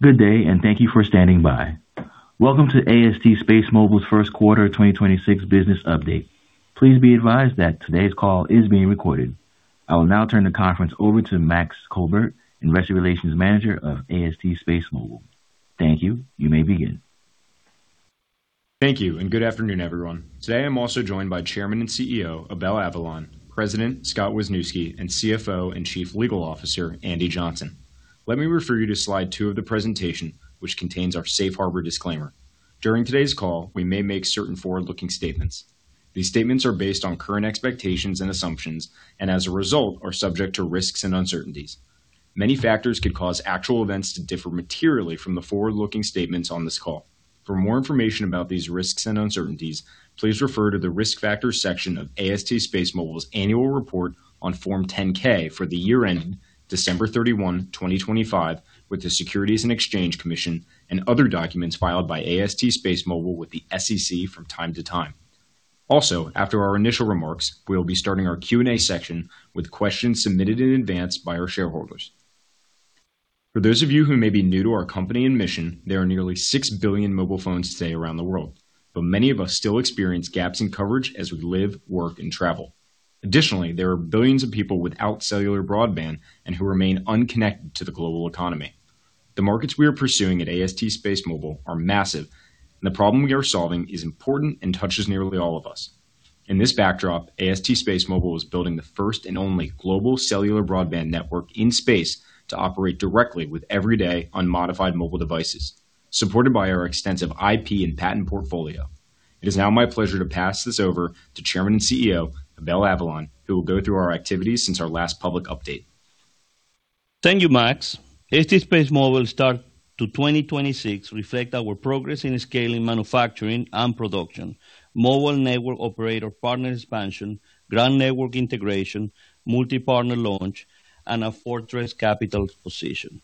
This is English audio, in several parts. Good day, thank you for standing by. Welcome to AST SpaceMobile's first quarter 2026 business update. Please be advised that today's call is being recorded. I will now turn the conference over to Max Colbert, Investor Relations Manager of AST SpaceMobile. Thank you. You may begin. Thank you, and good afternoon, everyone. Today, I'm also joined by Chairman and CEO, Abel Avellan, President, Scott Wisniewski, and CFO and Chief Legal Officer, Andy Johnson. Let me refer you to slide two of the presentation, which contains our safe harbor disclaimer. During today's call, we may make certain forward-looking statements. These statements are based on current expectations and assumptions, and as a result, are subject to risks and uncertainties. Many factors could cause actual events to differ materially from the forward-looking statements on this call. For more information about these risks and uncertainties, please refer to the Risk Factors section of AST SpaceMobile's annual report on Form 10-K for the year ending December 31, 2025 with the Securities and Exchange Commission and other documents filed by AST SpaceMobile with the SEC from time to time. After our initial remarks, we will be starting our Q&A section with questions submitted in advance by our shareholders. For those of you who may be new to our company and mission, there are nearly six billion mobile phones today around the world, but many of us still experience gaps in coverage as we live, work, and travel. Additionally, there are billions of people without cellular broadband and who remain unconnected to the global economy. The markets we are pursuing at AST SpaceMobile are massive, the problem we are solving is important and touches nearly all of us. In this backdrop, AST SpaceMobile is building the first and only global cellular broadband network in space to operate directly with everyday unmodified mobile devices, supported by our extensive IP and patent portfolio. It is now my pleasure to pass this over to Chairman and CEO, Abel Avellan, who will go through our activities since our last public update. Thank you, Max. AST SpaceMobile start to 2026 reflect our progress in scaling manufacturing and production, mobile network operator partner expansion, ground network integration, multi-partner launch, and a fortress capital position.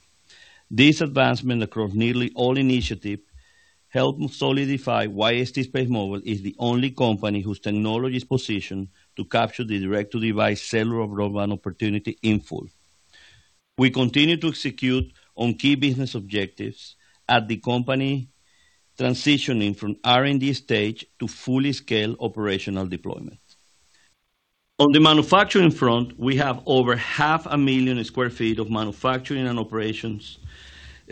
This advancement across nearly all initiative helped solidify why AST SpaceMobile is the only company whose technology is positioned to capture the direct-to-device cellular broadband opportunity in full. We continue to execute on key business objectives as the company transitioning from R&D stage to fully scaled operational deployment. On the manufacturing front, we have over 500,000 sq ft of manufacturing and operations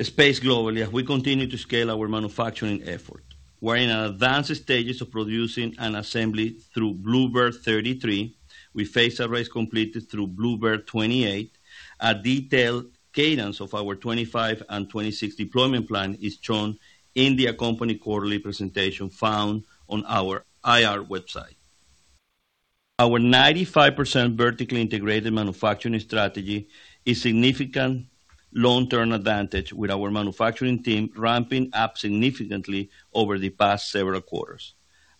space globally as we continue to scale our manufacturing effort. We're in advanced stages of producing an assembly through BlueBird 33. With phase arrays completed through BlueBird 28. A detailed cadence of our 2025 and 2026 deployment plan is shown in the accompanying quarterly presentation found on our IR website. Our 95% vertically integrated manufacturing strategy is significant long-term advantage with our manufacturing team ramping up significantly over the past several quarters.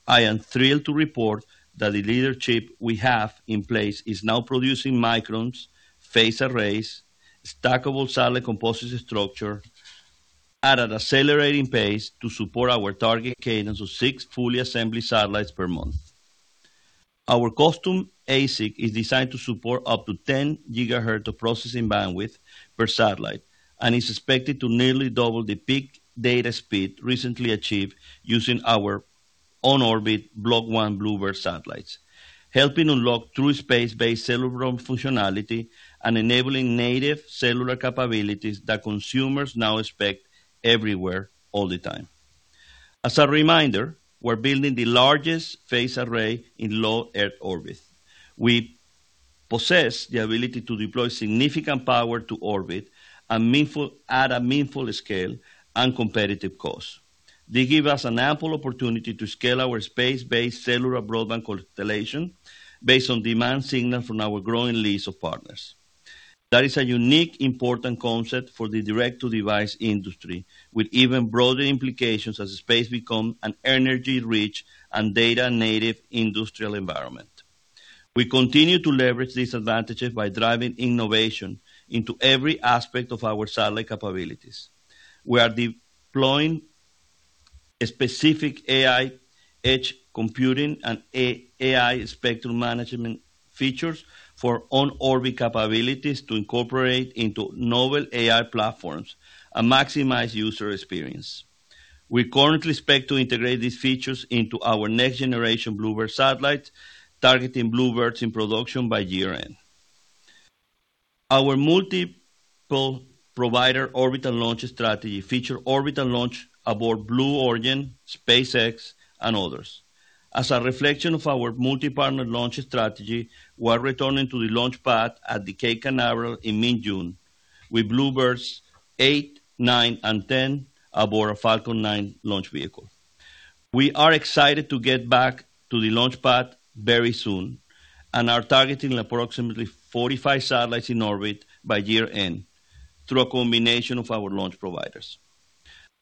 I am thrilled to report that the leadership we have in place is now producing ASICs, phased arrays, stackable satellite composite structure at an accelerating pace to support our target cadence of six fully assembled satellites per month. Our custom ASIC is designed to support up to 10 GHz of processing bandwidth per satellite and is expected to nearly double the peak data speed recently achieved using our on-orbit Block 1 BlueBird satellites, helping unlock true space-based cellular functionality and enabling native cellular capabilities that consumers now expect everywhere all the time. As a reminder, we're building the largest phased array in low Earth orbit. We possess the ability to deploy significant power to orbit at a meaningful scale and competitive cost. They give us an ample opportunity to scale our space-based cellular broadband constellation based on demand signal from our growing list of partners. That is a unique, important concept for the direct-to-device industry, with even broader implications as space become an energy-rich and data-native industrial environment. We continue to leverage these advantages by driving innovation into every aspect of our satellite capabilities. We are deploying a specific AI edge computing and AI spectrum management features for on-orbit capabilities to incorporate into novel AI platforms and maximize user experience. We currently expect to integrate these features into our next generation BlueBird satellites, targeting BlueBirds in production by year-end. Our multiple provider orbital launch strategy feature orbital launch aboard Blue Origin, SpaceX, and others. As a reflection of our multi-partner launch strategy, we are returning to the launch pad at Cape Canaveral in mid-June with BlueBirds 8, 9, and 10 aboard a Falcon 9 launch vehicle. We are excited to get back to the launch pad very soon and are targeting approximately 45 satellites in orbit by year-end through a combination of our launch providers.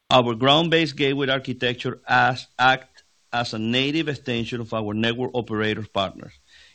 Our ground-based gateway architecture act as a native extension of our network operator partners,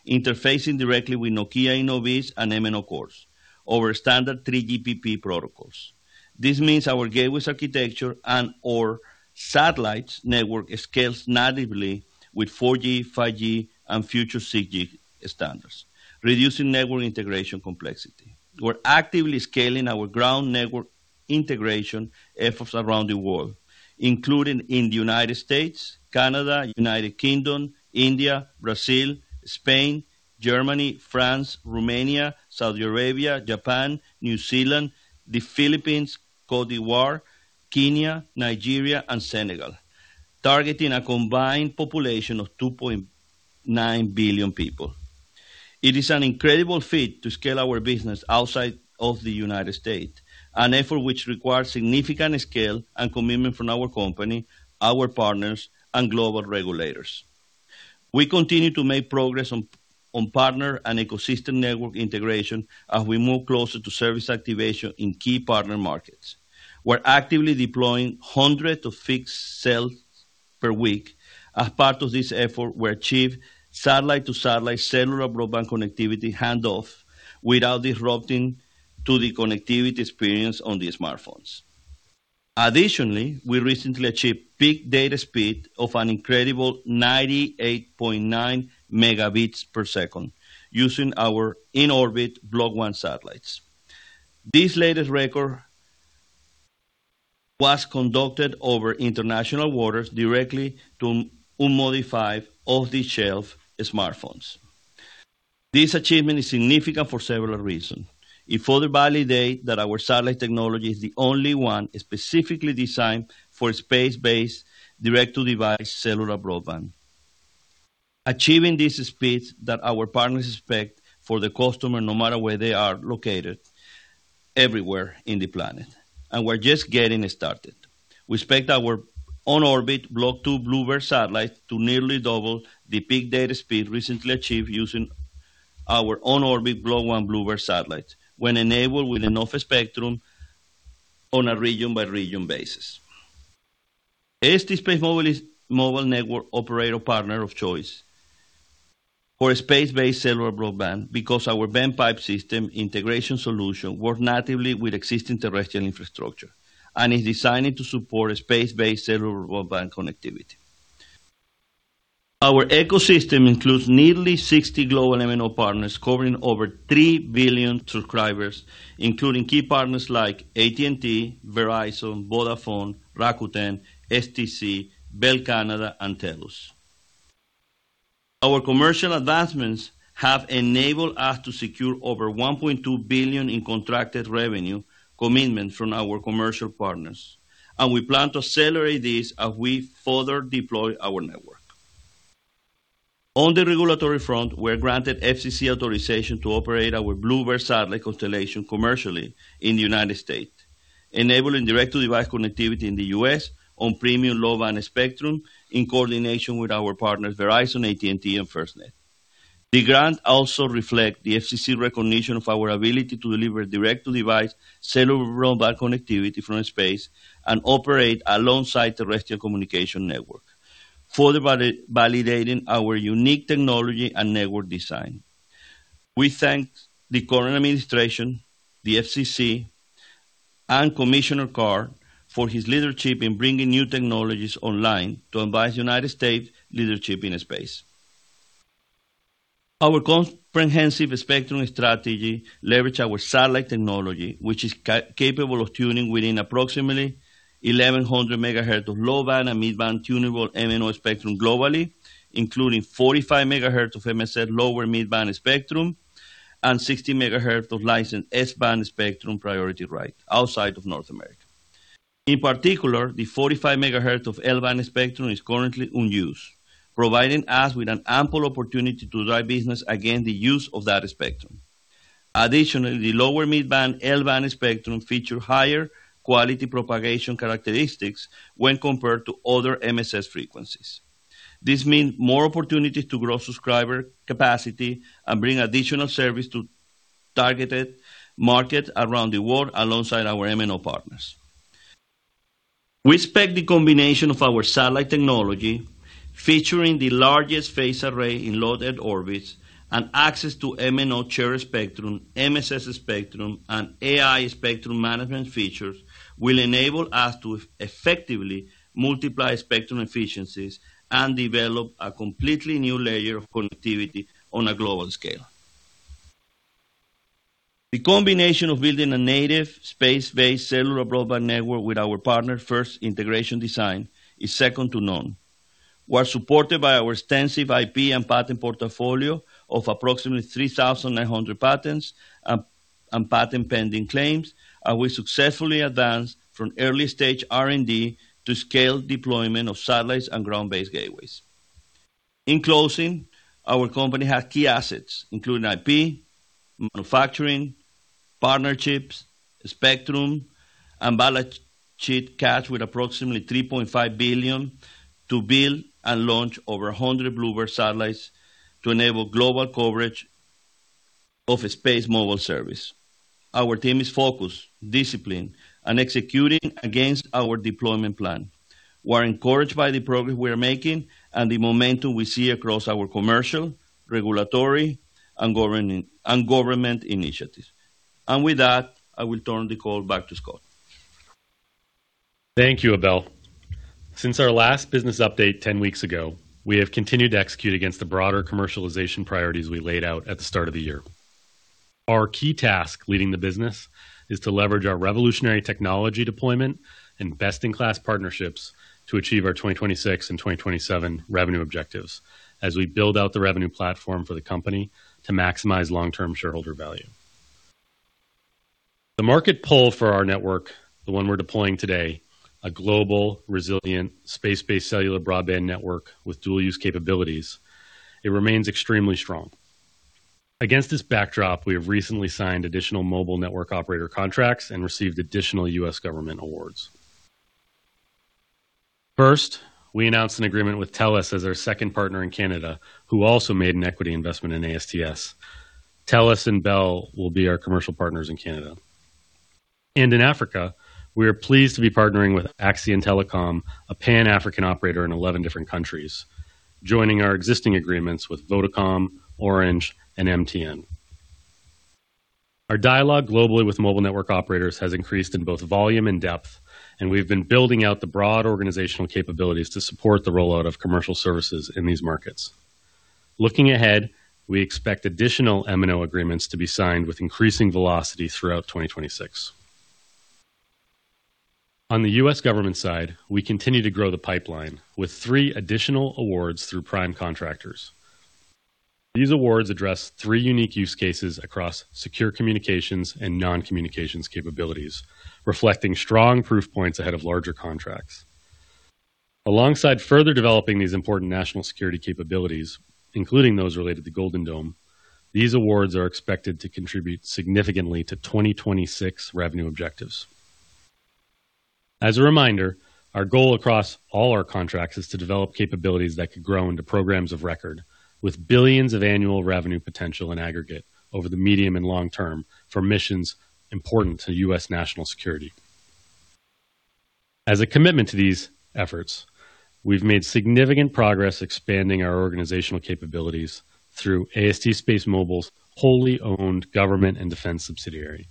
interfacing directly with Nokia, eNodeBs, and MNO cores over standard 3GPP protocols. This means our gateways architecture and our satellites network scales natively with 4G, 5G and future 6G standards, reducing network integration complexity. We're actively scaling our ground network integration efforts around the world, including in the United States, Canada, United Kingdom, India, Brazil, Spain, Germany, France, Romania, Saudi Arabia, Japan, New Zealand, the Philippines, Côte d'Ivoire, Kenya, Nigeria, and Senegal, targeting a combined population of 2.9 billion people. It is an incredible feat to scale our business outside of the United States, an effort which requires significant scale and commitment from our company, our partners, and global regulators. We continue to make progress on partner and ecosystem network integration as we move closer to service activation in key partner markets. We're actively deploying hundreds of fixed cells per week. As part of this effort, we achieved satellite-to-satellite cellular broadband connectivity handoff without disrupting the connectivity experience on the smartphones. Additionally, we recently achieved peak data speed of an incredible 98.9 Mbps using our in-orbit Block 1 satellites. This latest record was conducted over international waters directly to unmodified off-the-shelf smartphones. This achievement is significant for several reasons. It further validates that our satellite technology is the only one specifically designed for space-based direct-to-device cellular broadband. Achieving these speeds that our partners expect for the customer no matter where they are located everywhere in the planet. We're just getting started. We expect our on-orbit Block 2 BlueBird satellite to nearly double the peak data speed recently achieved using our on-orbit Block 1 BlueBird satellites when enabled with enough spectrum on a region-by-region basis. AST SpaceMobile is mobile network operator partner of choice for space-based cellular broadband because our bent pipe system integration solution work natively with existing terrestrial infrastructure and is designed to support space-based cellular broadband connectivity. Our ecosystem includes nearly 60 global MNO partners covering over three billion subscribers, including key partners like AT&T, Verizon, Vodafone, Rakuten, stc, Bell Canada, and Telus. Our commercial advancements have enabled us to secure over $1.2 billion in contracted revenue commitment from our commercial partners, and we plan to accelerate this as we further deploy our network. On the regulatory front, we are granted FCC authorization to operate our BlueBird satellite constellation commercially in the United States, enabling direct-to-device connectivity in the U.S. on premium low-band spectrum in coordination with our partners Verizon, AT&T, and FirstNet. The grant also reflect the FCC recognition of our ability to deliver direct-to-device cellular broadband connectivity from space and operate alongside terrestrial communication network, further validating our unique technology and network design. We thank the current administration, the FCC, and Commissioner Carr for his leadership in bringing new technologies online to advance United States leadership in space. Our comprehensive spectrum strategy leverage our satellite technology, which is capable of tuning within approximately 1,100 MHz of low-band and mid-band tunable MNO spectrum globally, including 45 MHz of MSS lower mid-band spectrum and 60 MHz of licensed S-band spectrum priority right outside of North America. In particular, the 45 MHz of L-band spectrum is currently unused, providing us with an ample opportunity to drive business against the use of that spectrum. Additionally, the lower mid-band L-band spectrum feature higher quality propagation characteristics when compared to other MSS frequencies. This mean more opportunities to grow subscriber capacity and bring additional service to targeted market around the world alongside our MNO partners. We expect the combination of our satellite technology, featuring the largest phase array in low-Earth orbits and access to MNO shared spectrum, MSS spectrum, and AI spectrum management features, will enable us to effectively multiply spectrum efficiencies and develop a completely new layer of connectivity on a global scale. The combination of building a native space-based cellular broadband network with our partner, First Integration Design, is second to none. We are supported by our extensive IP and patent portfolio of approximately 3,900 patents and patent pending claims, and we successfully advanced from early-stage R&D to scale deployment of satellites and ground-based gateways. In closing, our company has key assets, including IP, manufacturing, partnerships, spectrum, and balance sheet cash with approximately $3.5 billion to build and launch over 100 BlueBird satellites to enable global coverage of a SpaceMobile service. Our team is focused, disciplined, and executing against our deployment plan. We are encouraged by the progress we are making and the momentum we see across our commercial, regulatory, and government initiatives. With that, I will turn the call back to Scott. Thank you, Abel. Since our last business update 10 weeks ago, we have continued to execute against the broader commercialization priorities we laid out at the start of the year. Our key task leading the business is to leverage our revolutionary technology deployment and best-in-class partnerships to achieve our 2026 and 2027 revenue objectives as we build out the revenue platform for the company to maximize long-term shareholder value. The market pull for our network, the one we're deploying today, a global, resilient, space-based cellular broadband network with dual use capabilities, it remains extremely strong. Against this backdrop, we have recently signed additional mobile network operator contracts and received additional U.S. government awards. First, we announced an agreement with Telus as our second partner in Canada, who also made an equity investment in ASTS. Telus and Bell will be our commercial partners in Canada. In Africa, we are pleased to be partnering with Axian Telecom, a Pan-African operator in 11 different countries, joining our existing agreements with Vodacom, Orange, and MTN. Our dialogue globally with mobile network operators has increased in both volume and depth, and we've been building out the broad organizational capabilities to support the rollout of commercial services in these markets. Looking ahead, we expect additional MNO agreements to be signed with increasing velocity throughout 2026. On the U.S. government side, we continue to grow the pipeline with three additional awards through prime contractors. These awards address three unique use cases across secure communications and non-communications capabilities, reflecting strong proof points ahead of larger contracts. Alongside further developing these important national security capabilities, including those related to Golden Dome, these awards are expected to contribute significantly to 2026 revenue objectives. As a reminder, our goal across all our contracts is to develop capabilities that could grow into programs of record with billions of annual revenue potential in aggregate over the medium and long term for missions important to U.S. national security. As a commitment to these efforts, we've made significant progress expanding our organizational capabilities through AST SpaceMobile's wholly owned government and defense subsidiary.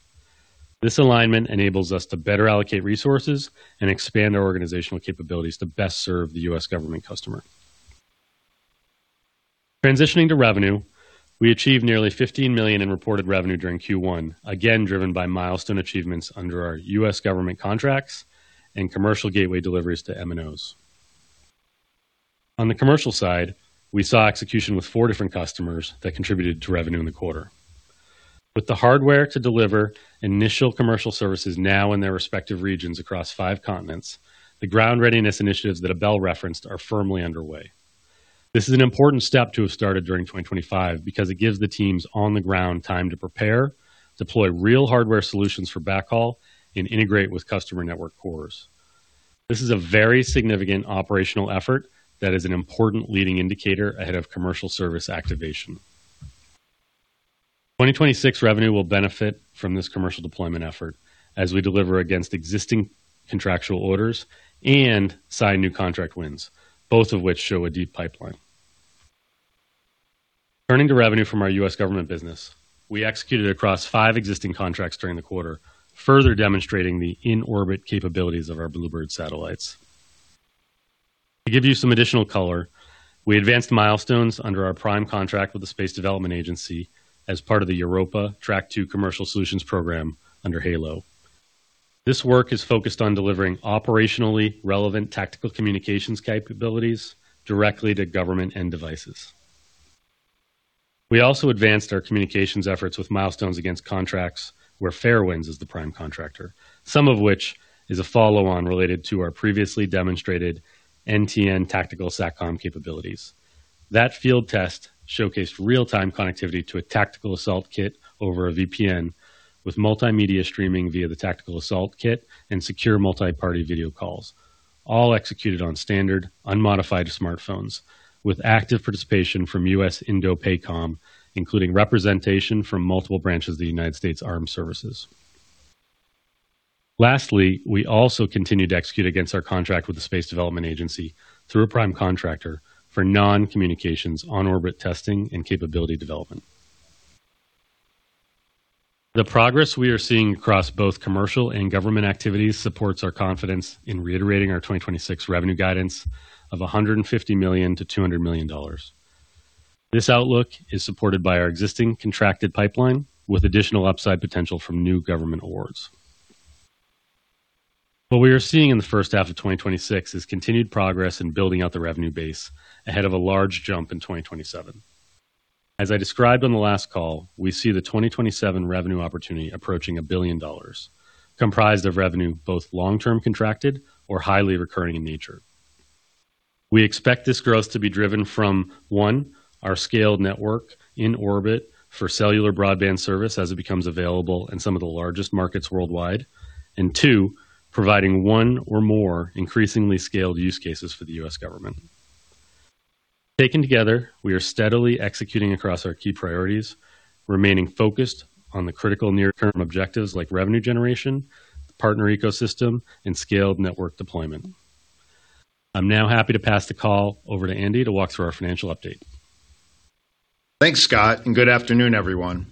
This alignment enables us to better allocate resources and expand our organizational capabilities to best serve the U.S. government customer. Transitioning to revenue, we achieved nearly $15 million in reported revenue during Q1, again, driven by milestone achievements under our U.S. government contracts and commercial gateway deliveries to MNOs. On the commercial side, we saw execution with four different customers that contributed to revenue in the quarter. With the hardware to deliver initial commercial services now in their respective regions across five continents, the ground readiness initiatives that Abel referenced are firmly underway. This is an important step to have started during 2025 because it gives the teams on the ground time to prepare, deploy real hardware solutions for backhaul, and integrate with customer network cores. This is a very significant operational effort that is an important leading indicator ahead of commercial service activation. 2026 revenue will benefit from this commercial deployment effort as we deliver against existing contractual orders and sign new contract wins, both of which show a deep pipeline. Turning to revenue from our U.S. government business, we executed across five existing contracts during the quarter, further demonstrating the in-orbit capabilities of our BlueBird satellites. To give you some additional color, we advanced milestones under our prime contract with the Space Development Agency as part of the Europa Track 2 Commercial Solutions Program under HALO. This work is focused on delivering operationally relevant tactical communications capabilities directly to government end devices. We also advanced our communications efforts with milestones against contracts where Fairwinds is the prime contractor, some of which is a follow-on related to our previously demonstrated NTN tactical SATCOM capabilities. That field test showcased real-time connectivity to a tactical assault kit over a VPN with multimedia streaming via the tactical assault kit and secure multi-party video calls, all executed on standard, unmodified smartphones with active participation from U.S. INDOPACOM, including representation from multiple branches of the United States Armed Forces. Lastly, we also continue to execute against our contract with the Space Development Agency through a prime contractor for non-communications on-orbit testing and capability development. The progress we are seeing across both commercial and government activities supports our confidence in reiterating our 2026 revenue guidance of $150 million-$200 million. This outlook is supported by our existing contracted pipeline with additional upside potential from new government awards. What we are seeing in the first half of 2026 is continued progress in building out the revenue base ahead of a large jump in 2027. As I described on the last call, we see the 2027 revenue opportunity approaching $1 billion, comprised of revenue both long-term contracted or highly recurring in nature. We expect this growth to be driven from, one, our scaled network in orbit for cellular broadband service as it becomes available in some of the largest markets worldwide. Two, providing one or more increasingly scaled use cases for the U.S. government. Taken together, we are steadily executing across our key priorities, remaining focused on the critical near-term objectives like revenue generation, partner ecosystem, and scaled network deployment. I'm now happy to pass the call over to Andy to walk through our financial update. Thanks, Scott, good afternoon, everyone.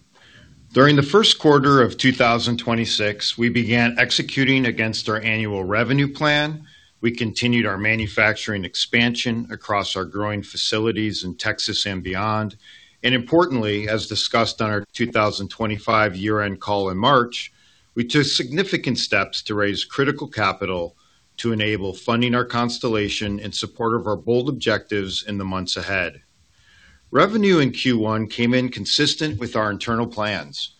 During the first quarter of 2026, we began executing against our annual revenue plan. We continued our manufacturing expansion across our growing facilities in Texas and beyond. Importantly, as discussed on our 2025 year-end call in March, we took significant steps to raise critical capital to enable funding our constellation in support of our bold objectives in the months ahead. Revenue in Q1 came in consistent with our internal plans.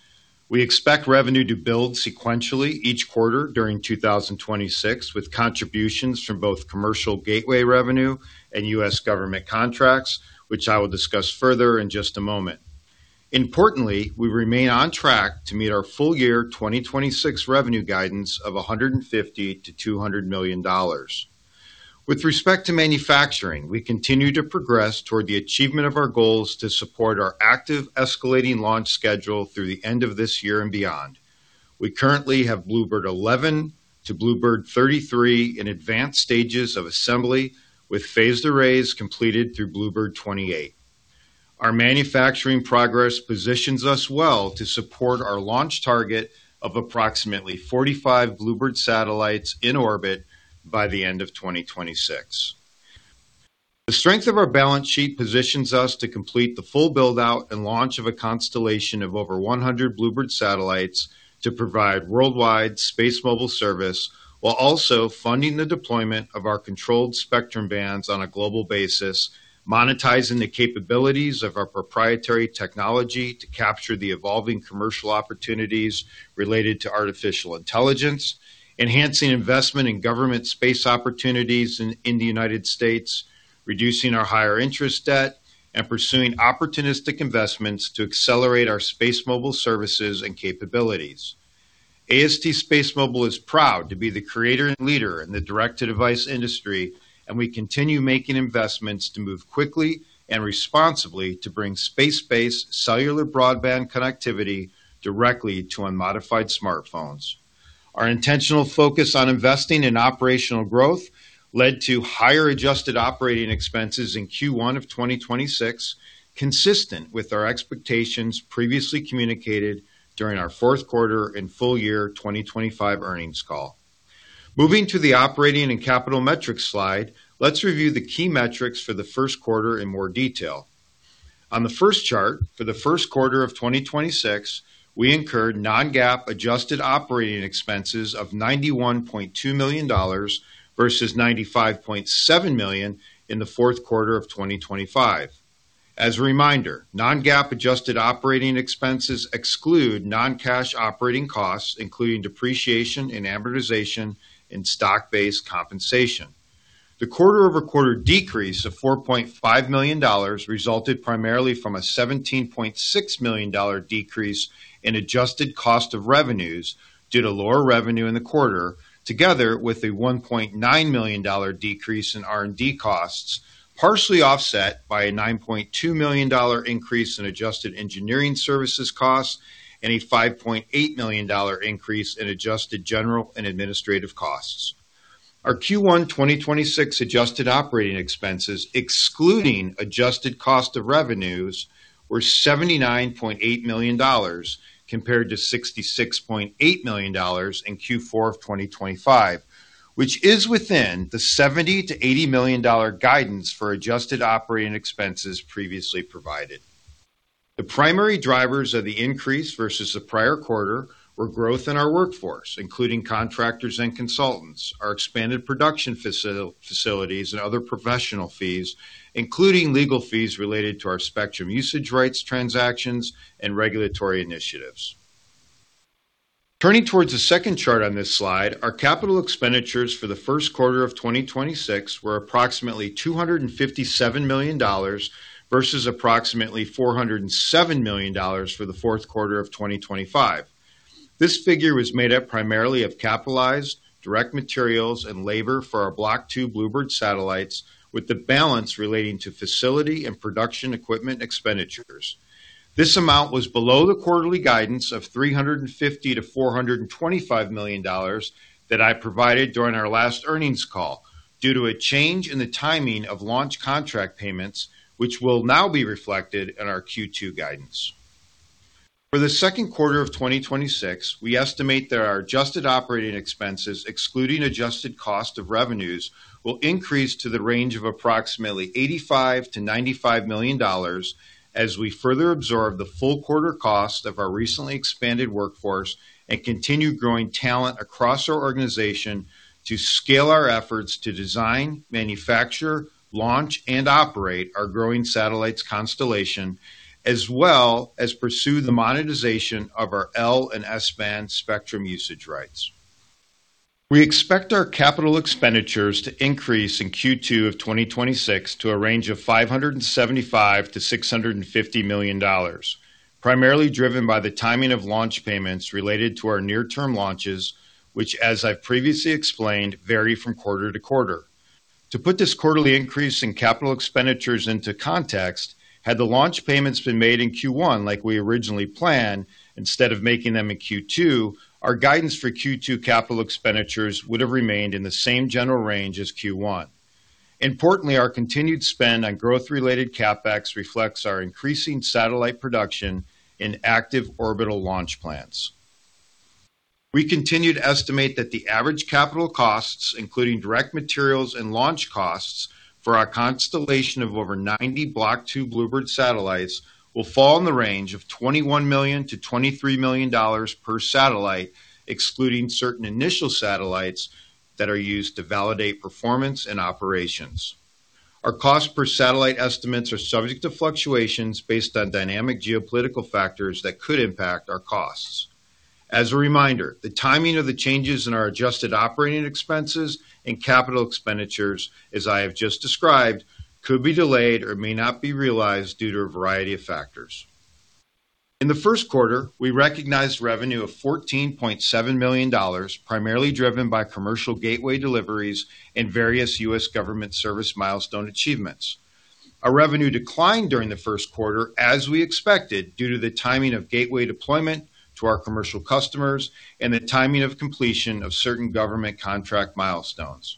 We expect revenue to build sequentially each quarter during 2026, with contributions from both commercial gateway revenue and U.S. government contracts, which I will discuss further in just a moment. Importantly, we remain on track to meet our full-year 2026 revenue guidance of $150 million-$200 million. With respect to manufacturing, we continue to progress toward the achievement of our goals to support our active escalating launch schedule through the end of this year and beyond. We currently have BlueBird 11 to BlueBird 33 in advanced stages of assembly, with phased arrays completed through BlueBird 28. Our manufacturing progress positions us well to support our launch target of approximately 45 BlueBird satellites in orbit by the end of 2026. The strength of our balance sheet positions us to complete the full build-out and launch of a constellation of over 100 BlueBird satellites to provide worldwide SpaceMobile service while also funding the deployment of our controlled spectrum bands on a global basis, monetizing the capabilities of our proprietary technology to capture the evolving commercial opportunities related to artificial intelligence, enhancing investment in government space opportunities in the United States, reducing our higher interest debt, and pursuing opportunistic investments to accelerate our SpaceMobile services and capabilities. AST SpaceMobile is proud to be the creator and leader in the direct-to-device industry, and we continue making investments to move quickly and responsibly to bring space-based cellular broadband connectivity directly to unmodified smartphones. Our intentional focus on investing in operational growth led to higher adjusted operating expenses in Q1 of 2026, consistent with our expectations previously communicated during our fourth quarter and full-year 2025 earnings call. Moving to the operating and capital metrics slide, let's review the key metrics for the first quarter in more detail. On the first chart, for the first quarter of 2026, we incurred non-GAAP adjusted operating expenses of $91.2 million versus $95.7 million in the fourth quarter of 2025. As a reminder, non-GAAP adjusted operating expenses exclude non-cash operating costs, including depreciation and amortization and stock-based compensation. The quarter-over-quarter decrease of $4.5 million resulted primarily from a $17.6 million decrease in adjusted cost of revenues due to lower revenue in the quarter, together with a $1.9 million decrease in R&D costs, partially offset by a $9.2 million increase in adjusted engineering services costs and a $5.8 million increase in adjusted general and administrative costs. Our Q1 2026 adjusted operating expenses, excluding adjusted cost of revenues, were $79.8 million compared to $66.8 million in Q4 2025, which is within the $70 million-$80 million guidance for adjusted operating expenses previously provided. The primary drivers of the increase versus the prior quarter were growth in our workforce, including contractors and consultants, our expanded production facilities, and other professional fees, including legal fees related to our spectrum usage rights transactions and regulatory initiatives. Turning towards the second chart on this slide, our capital expenditures for the first quarter of 2026 were approximately $257 million versus approximately $407 million for the fourth quarter of 2025. This figure was made up primarily of capitalized direct materials and labor for our Block 2 BlueBird satellites, with the balance relating to facility and production equipment expenditures. This amount was below the quarterly guidance of $350 million-$425 million that I provided during our last earnings call due to a change in the timing of launch contract payments, which will now be reflected in our Q2 guidance. For the second quarter of 2026, we estimate that our adjusted operating expenses, excluding adjusted cost of revenues, will increase to the range of approximately $85 million-$95 million as we further absorb the full quarter cost of our recently expanded workforce and continue growing talent across our organization to scale our efforts to design, manufacture, launch, and operate our growing satellites constellation, as well as pursue the monetization of our L- and S-band spectrum usage rights. We expect our capital expenditures to increase in Q2 of 2026 to a range of $575 million-$650 million, primarily driven by the timing of launch payments related to our near-term launches, which, as I've previously explained, vary from quarter-to-quarter. To put this quarterly increase in capital expenditures into context, had the launch payments been made in Q1 like we originally planned, instead of making them in Q2, our guidance for Q2 capital expenditures would have remained in the same general range as Q1. Importantly, our continued spend on growth-related CapEx reflects our increasing satellite production in active orbital launch plans. We continue to estimate that the average capital costs, including direct materials and launch costs for our constellation of over 90 Block 2 BlueBird satellites, will fall in the range of $21 million-$23 million per satellite, excluding certain initial satellites that are used to validate performance and operations. Our cost per satellite estimates are subject to fluctuations based on dynamic geopolitical factors that could impact our costs. As a reminder, the timing of the changes in our adjusted operating expenses and capital expenditures, as I have just described, could be delayed or may not be realized due to a variety of factors. In the first quarter, we recognized revenue of $14.7 million, primarily driven by commercial gateway deliveries and various U.S. government service milestone achievements. Our revenue declined during the first quarter, as we expected, due to the timing of gateway deployment to our commercial customers and the timing of completion of certain government contract milestones.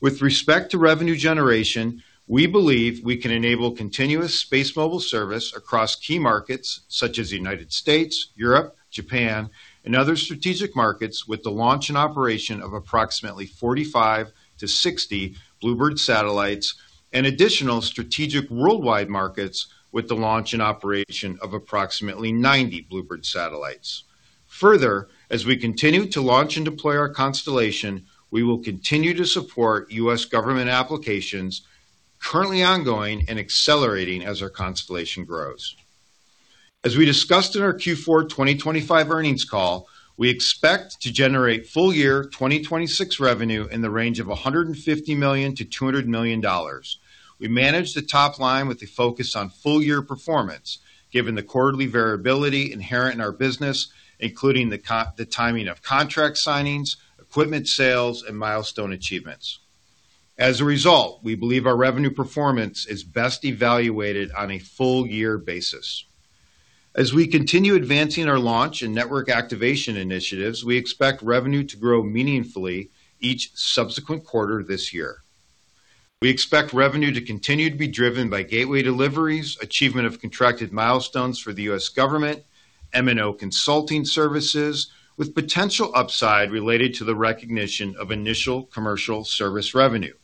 With respect to revenue generation, we believe we can enable continuous space mobile service across key markets such as the United States, Europe, Japan, and other strategic markets with the launch and operation of approximately 45 to 60 BlueBird satellites and additional strategic worldwide markets with the launch and operation of approximately 90 BlueBird satellites. Further, as we continue to launch and deploy our constellation, we will continue to support U.S. government applications currently ongoing and accelerating as our constellation grows. As we discussed in our Q4 2025 earnings call, we expect to generate full-year 2026 revenue in the range of $150 million-$200 million. We manage the top line with the focus on full-year performance, given the quarterly variability inherent in our business, including the timing of contract signings, equipment sales, and milestone achievements. We believe our revenue performance is best evaluated on a full-year basis. We continue advancing our launch and network activation initiatives, we expect revenue to grow meaningfully each subsequent quarter this year. We expect revenue to continue to be driven by gateway deliveries, achievement of contracted milestones for the U.S. government, MNO consulting services, with potential upside related to the recognition of initial commercial service revenue.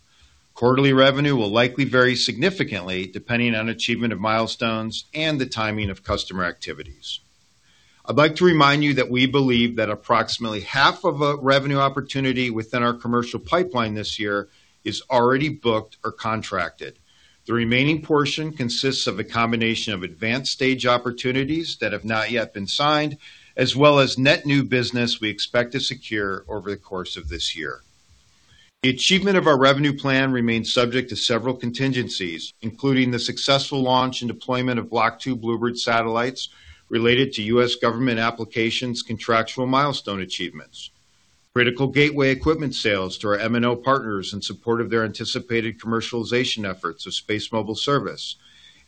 Quarterly revenue will likely vary significantly depending on achievement of milestones and the timing of customer activities. I'd like to remind you that we believe that approximately half of a revenue opportunity within our commercial pipeline this year is already booked or contracted. The remaining portion consists of a combination of advanced stage opportunities that have not yet been signed, as well as net new business we expect to secure over the course of this year. The achievement of our revenue plan remains subject to several contingencies, including the successful launch and deployment of Block 2 BlueBird satellites related to U.S. government applications contractual milestone achievements, critical gateway equipment sales to our MNO partners in support of their anticipated commercialization efforts of SpaceMobile service,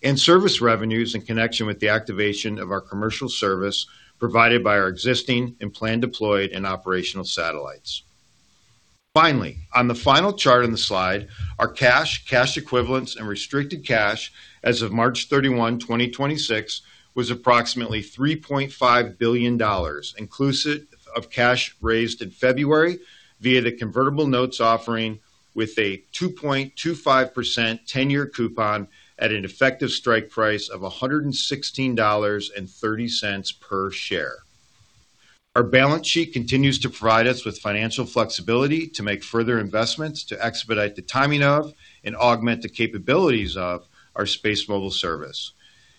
and service revenues in connection with the activation of our commercial service provided by our existing and plan deployed and operational satellites. On the final chart on the slide, our cash equivalents, and restricted cash as of March 31, 2026 was approximately $3.5 billion, inclusive of cash raised in February via the convertible notes offering with a 2.25% tenure coupon at an effective strike price of $116.30 per share. Our balance sheet continues to provide us with financial flexibility to make further investments to expedite the timing of and augment the capabilities of our SpaceMobile service.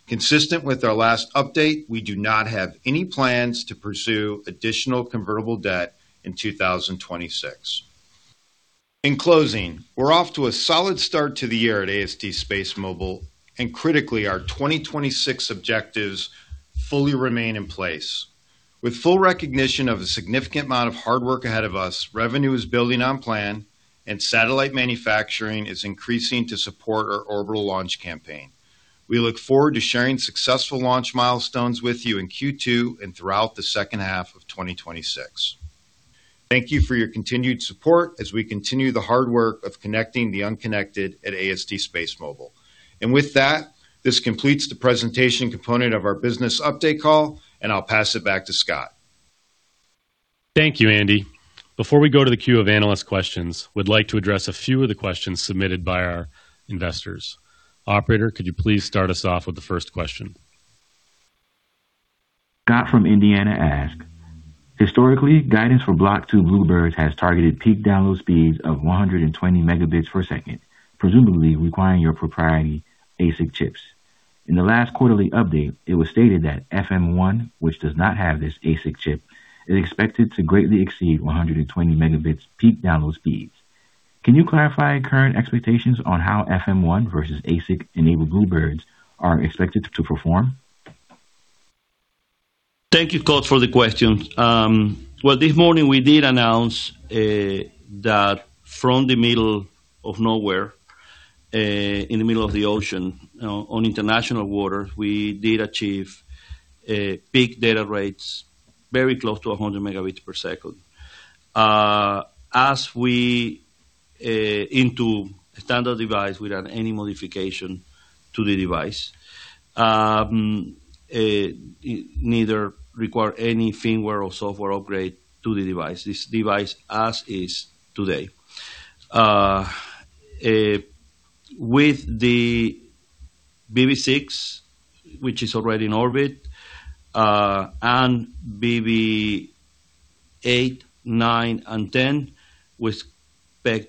Consistent with our last update, we do not have any plans to pursue additional convertible debt in 2026. In closing, we're off to a solid start to the year at AST SpaceMobile, and critically, our 2026 objectives fully remain in place. With full recognition of a significant amount of hard work ahead of us, revenue is building on plan and satellite manufacturing is increasing to support our orbital launch campaign. We look forward to sharing successful launch milestones with you in Q2 and throughout the second half of 2026. Thank you for your continued support as we continue the hard work of connecting the unconnected at AST SpaceMobile. With that, this completes the presentation component of our business update call, and I'll pass it back to Scott. Thank you, Andy. Before we go to the queue of analyst questions, we'd like to address a few of the questions submitted by our investors. Operator, could you please start us off with the first question? Scott from Indiana asks, "Historically, guidance for Block 2 BlueBird has targeted peak download speeds of 120 Mbps, presumably requiring your proprietary ASIC chips. In the last quarterly update, it was stated that FM-1, which does not have this ASIC chip, is expected to greatly exceed 120 Mb peak download speeds. Can you clarify current expectations on how FM-1 versus ASIC-enabled BlueBird are expected to perform?" Thank you, Scott, for the question. Well, this morning we did announce that from the middle of nowhere, in the middle of the ocean on international water, we did achieve peak data rates, very close to 100 Mbps. As we into standard device without any modification to the device, neither require any firmware or software upgrade to the device. This device as is today. With the BB6, which is already in orbit, and BB8, 9, and 10, we expect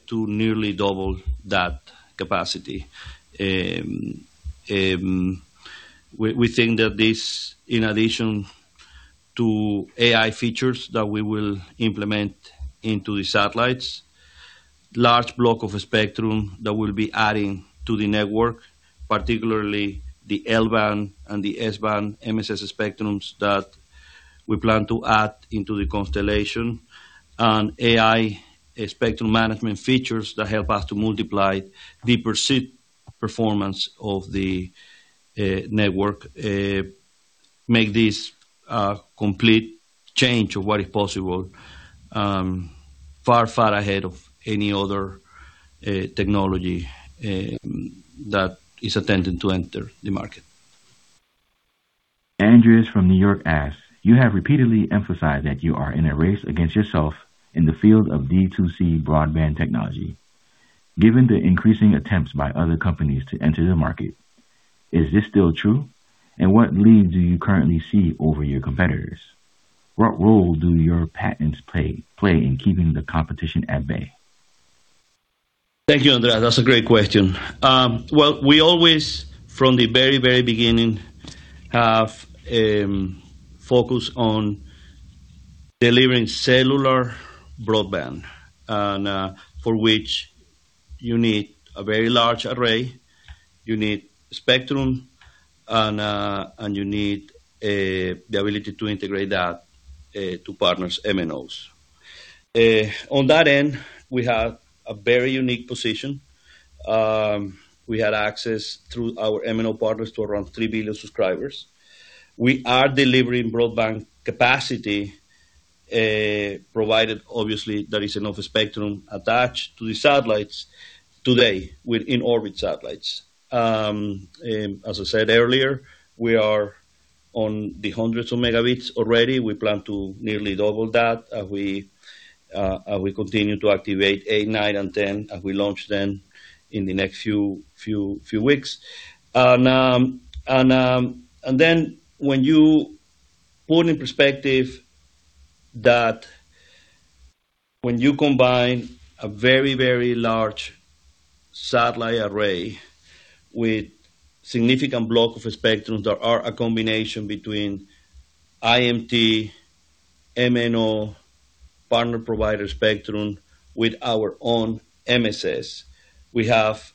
to nearly double that capacity. We think that this in addition to AI features that we will implement into the satellites, large block of spectrum that we'll be adding to the network, particularly the L-band and the S-band MSS spectrums that we plan to add into the constellation and AI spectrum management features that help us to multiply the perceived performance of the network, make this a complete change of what is possible, far, far ahead of any other technology that is attempting to enter the market. Andreas from New York asks, "You have repeatedly emphasized that you are in a race against yourself in the field of D2C broadband technology. Given the increasing attempts by other companies to enter the market, is this still true? What lead do you currently see over your competitors? What role do your patents play in keeping the competition at bay?" Thank you, Andreas. That's a great question. We always, from the very, very beginning, have focused on delivering cellular broadband and for which you need a very large array, you need spectrum and you need the ability to integrate that to partners MNOs. On that end, we have a very unique position. We had access through our MNO partners to around three billion subscribers. We are delivering broadband capacity, provided obviously there is enough spectrum attached to the satellites today with in-orbit satellites. As I said earlier, we are on the hundreds of megabits already. We plan to nearly double that as we continue to activate 8, 9, and 10 as we launch them in the next few weeks. When you put in perspective that when you combine a very, very large satellite array with significant block of spectrum that are a combination between IMT, MNO, partner provider spectrum with our own MSS, we have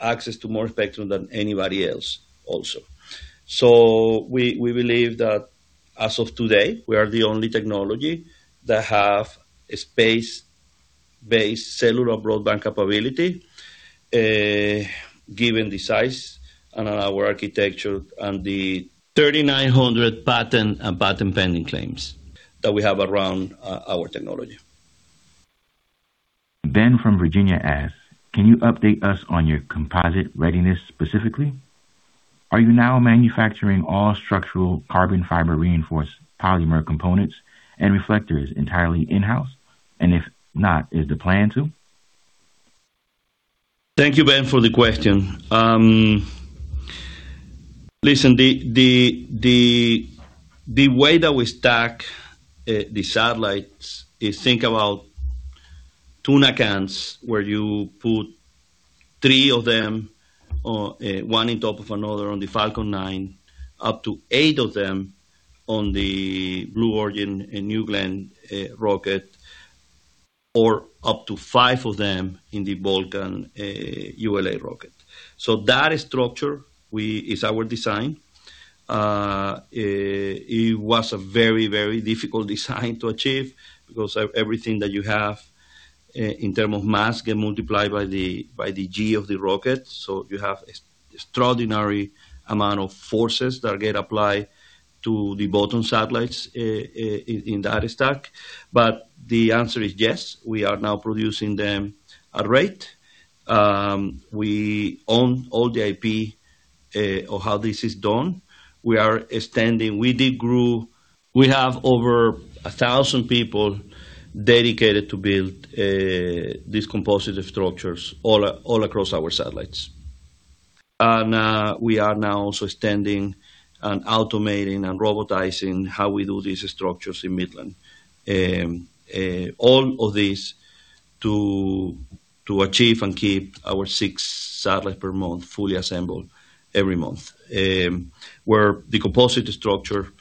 access to more spectrum than anybody else also. We believe that as of today, we are the only technology that have a space-based cellular broadband capability, given the size and our architecture and the 3,900 patent and patent pending claims that we have around our technology. Ben from Virginia asks, "Can you update us on your composite readiness specifically? Are you now manufacturing all structural carbon fiber reinforced polymer components and reflectors entirely in-house? If not, is the plan to?" Thank you, Ben, for the question. Listen, the way that we stack the satellites is think about tuna cans, where you put three of them, one on top of another on the Falcon 9, up to eight of them on the Blue Origin New Glenn rocket, or up to five of them in the Vulcan ULA rocket. That structure is our design. It was a very difficult design to achieve because of everything that you have in term of mass get multiplied by the G of the rocket. You have extraordinary amount of forces that get applied to the bottom satellites in that stack. The answer is yes, we are now producing them at rate. We own all the IP of how this is done. We are extending. We did grew. We have over 1,000 people dedicated to build these composite structures all across our satellites. We are now also extending and automating and robotizing how we do these structures in Midland. All of this to achieve and keep our six satellite per month fully assembled every month. Where the composite structure,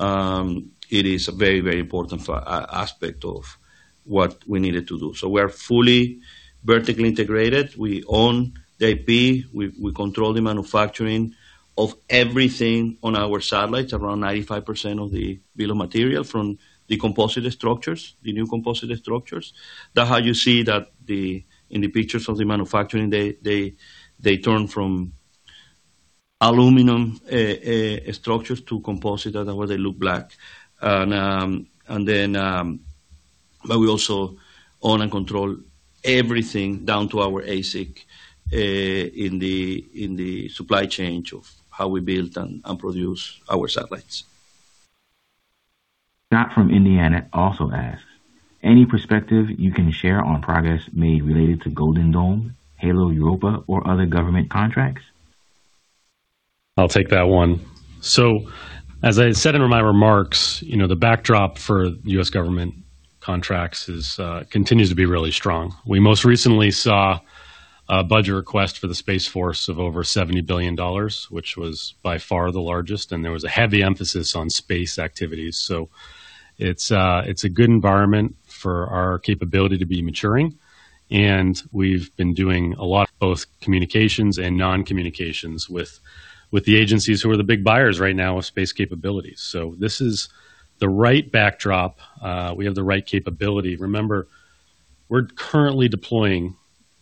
it is a very important aspect of what we needed to do. We are fully vertically integrated. We own the IP. We control the manufacturing of everything on our satellites, around 95% of the bill of material from the composite structures, the new composite structures. That how you see that the, in the pictures of the manufacturing, they turn from aluminum structures to composite that are where they look black. We also own and control everything down to our ASIC in the supply chain of how we build and produce our satellites. Scott from Indiana also asks, "Any perspective you can share on progress made related to Golden Dome, HALO, Europa or other government contracts?" I'll take that one. As I said in my remarks, you know, the backdrop for U.S. government contracts is, continues to be really strong. We most recently saw a budget request for the Space Force of over $70 billion, which was by far the largest, and there was a heavy emphasis on space activities. It's, it's a good environment for our capability to be maturing. We've been doing a lot, both communications and non-communications with the agencies who are the big buyers right now of space capabilities. This is the right backdrop. We have the right capability. Remember, we're currently deploying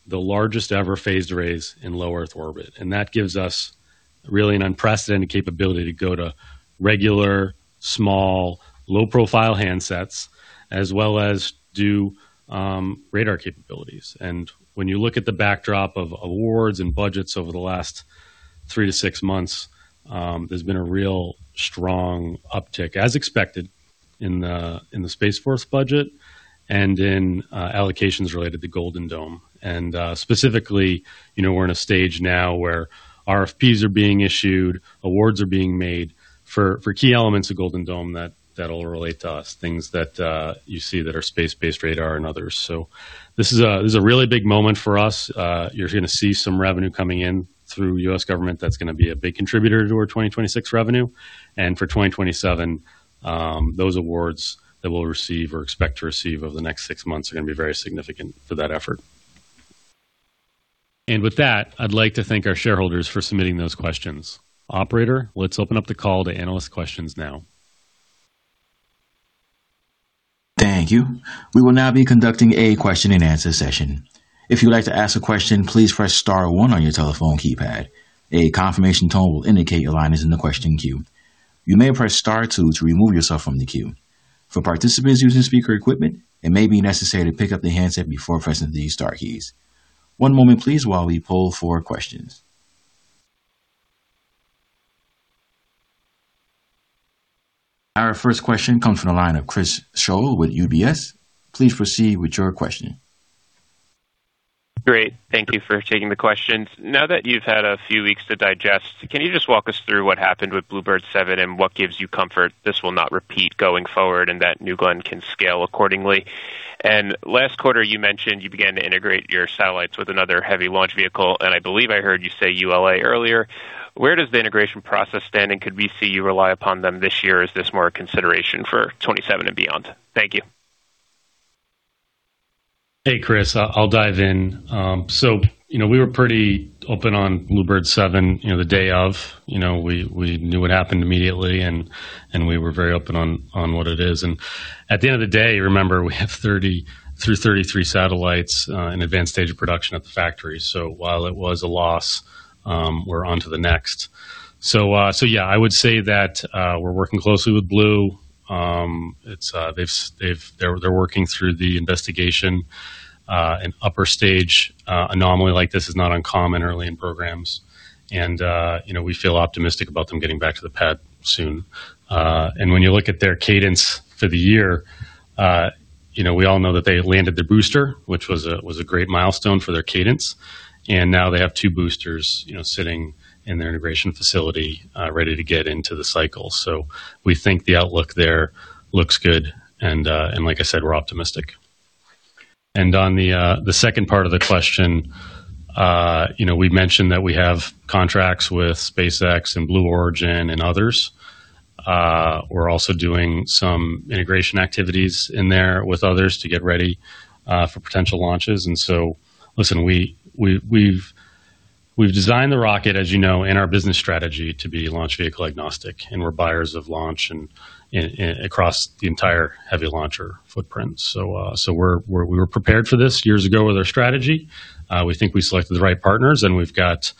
the largest ever phased arrays in low Earth orbit, and that gives us really an unprecedented capability to go to regular, small, low-profile handsets as well as do radar capabilities. When you look at the backdrop of awards and budgets over the last three to six months, there's been a real strong uptick, as expected, in the Space Force budget and in allocations related to Golden Dome. Specifically, you know, we're in a stage now where RFPs are being issued, awards are being made for key elements of Golden Dome that'll relate to us. Things that you see that are space-based radar and others. This is a really big moment for us. You're gonna see some revenue coming in through U.S. government that's gonna be a big contributor to our 2026 revenue. For 2027, those awards that we'll receive or expect to receive over the next six months are gonna be very significant for that effort. With that, I'd like to thank our shareholders for submitting those questions. Operator, let's open up the call to analyst questions now. Thank you. We will now be conducting a question-and-answer session. If you would like to ask a question, please press star one on your telephone keypad. A confirmation tone will indicate your line is in the question queue. You may press star two to remove yourself from the queue. For participants using speaker equipment, it may be necessary to pick up the handset before pressing these star keys. One moment please while we poll for questions. Our first question comes from the line of Chris Schoell with UBS. Please proceed with your question. Great. Thank you for taking the questions. Now that you've had a few weeks to digest, can you just walk us through what happened with BlueBird 7 and what gives you comfort this will not repeat going forward and that New Glenn can scale accordingly? Last quarter, you mentioned you began to integrate your satellites with another heavy launch vehicle, and I believe I heard you say ULA earlier. Where does the integration process stand, and could we see you rely upon them this year? Is this more a consideration for 2027 and beyond? Thank you. Hey, Chris. I'll dive in. You know, we were pretty open on BlueBird 7, you know, the day of. You know, we knew what happened immediately and we were very open on what it is. At the end of the day, remember we have 30 through 33 satellites in advanced stage of production at the factory. While it was a loss, we're onto the next. Yeah, I would say that we're working closely with Blue. It's, they're working through the investigation. An upper stage anomaly like this is not uncommon early in programs and, you know, we feel optimistic about them getting back to the pad soon. When you look at their cadence for the year, you know, we all know that they landed their booster, which was a great milestone for their cadence. Now they have two boosters, you know, sitting in their integration facility, ready to get into the cycle. We think the outlook there looks good and, like I said, we're optimistic. On the second part of the question, you know, we mentioned that we have contracts with SpaceX and Blue Origin and others. We're also doing some integration activities in there with others to get ready for potential launches. Listen, we've designed the rocket, as you know, and our business strategy to be launch vehicle agnostic, and we're buyers of launch and across the entire heavy launcher footprint. We were prepared for this years ago with our strategy. We think we selected the right partners, and we've got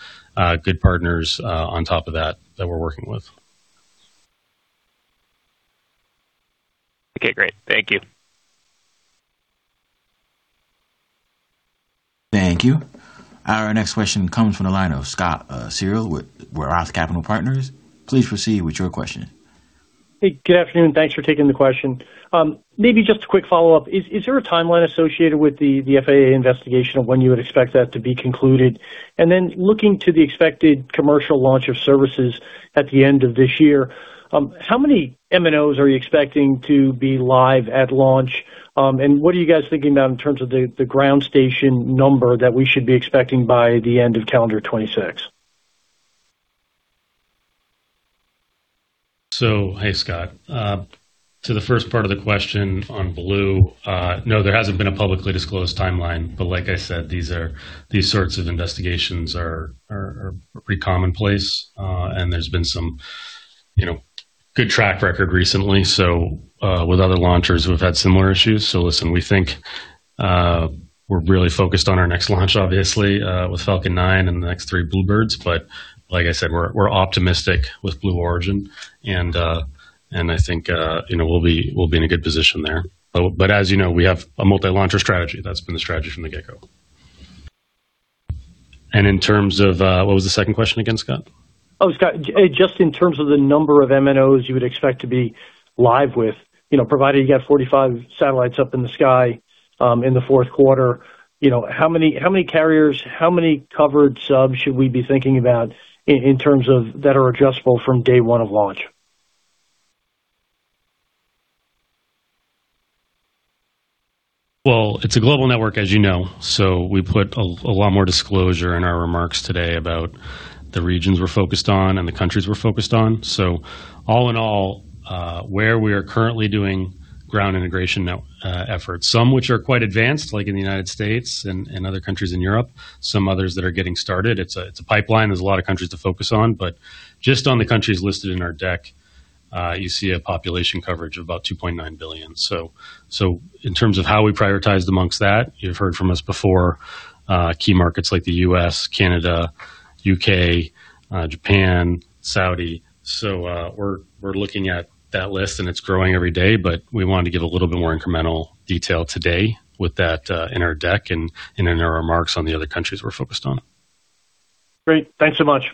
good partners on top of that that we're working with. Okay, great. Thank you. Thank you. Our next question comes from the line of Scott Searle with ROTH Capital Partners. Please proceed with your question. Hey, good afternoon. Thanks for taking the question. Maybe just a quick follow-up. Is there a timeline associated with the FAA investigation of when you would expect that to be concluded? Looking to the expected commercial launch of services at the end of this year, how many MNOs are you expecting to be live at launch? What are you guys thinking about in terms of the ground station number that we should be expecting by the end of calendar 2026? Hey, Scott. To the first part of the question on Blue, no, there hasn't been a publicly disclosed timeline, but like I said, these sorts of investigations are pretty commonplace. And there's been some, you know-Good track record recently. With other launchers who have had similar issues. Listen, we think, we're really focused on our next launch, obviously, with Falcon 9 and the next three BlueBirds. Like I said, we're optimistic with Blue Origin and I think, you know, we'll be in a good position there. As you know, we have a multi-launcher strategy. That's been the strategy from the get-go. In terms of, what was the second question again, Scott? Scott, just in terms of the number of MNOs you would expect to be live with, you know, provided you got 45 satellites up in the sky, in the fourth quarter, you know, how many carriers, how many covered subs should we be thinking about in terms of that are adjustable from day one of launch? Well, it's a global network, as you know. We put a lot more disclosure in our remarks today about the regions we're focused on and the countries we're focused on. All in all, where we are currently doing ground integration now, efforts, some which are quite advanced, like in the United States and other countries in Europe, some others that are getting started. It's a pipeline. There's a lot of countries to focus on. Just on the countries listed in our deck, you see a population coverage of about 2.9 billion. In terms of how we prioritized amongst that, you've heard from us before, key markets like the U.S., Canada, U.K., Japan, Saudi. We're looking at that list, and it's growing every day, but we wanted to give a little bit more incremental detail today with that in our deck and in our remarks on the other countries we're focused on. Great. Thanks so much.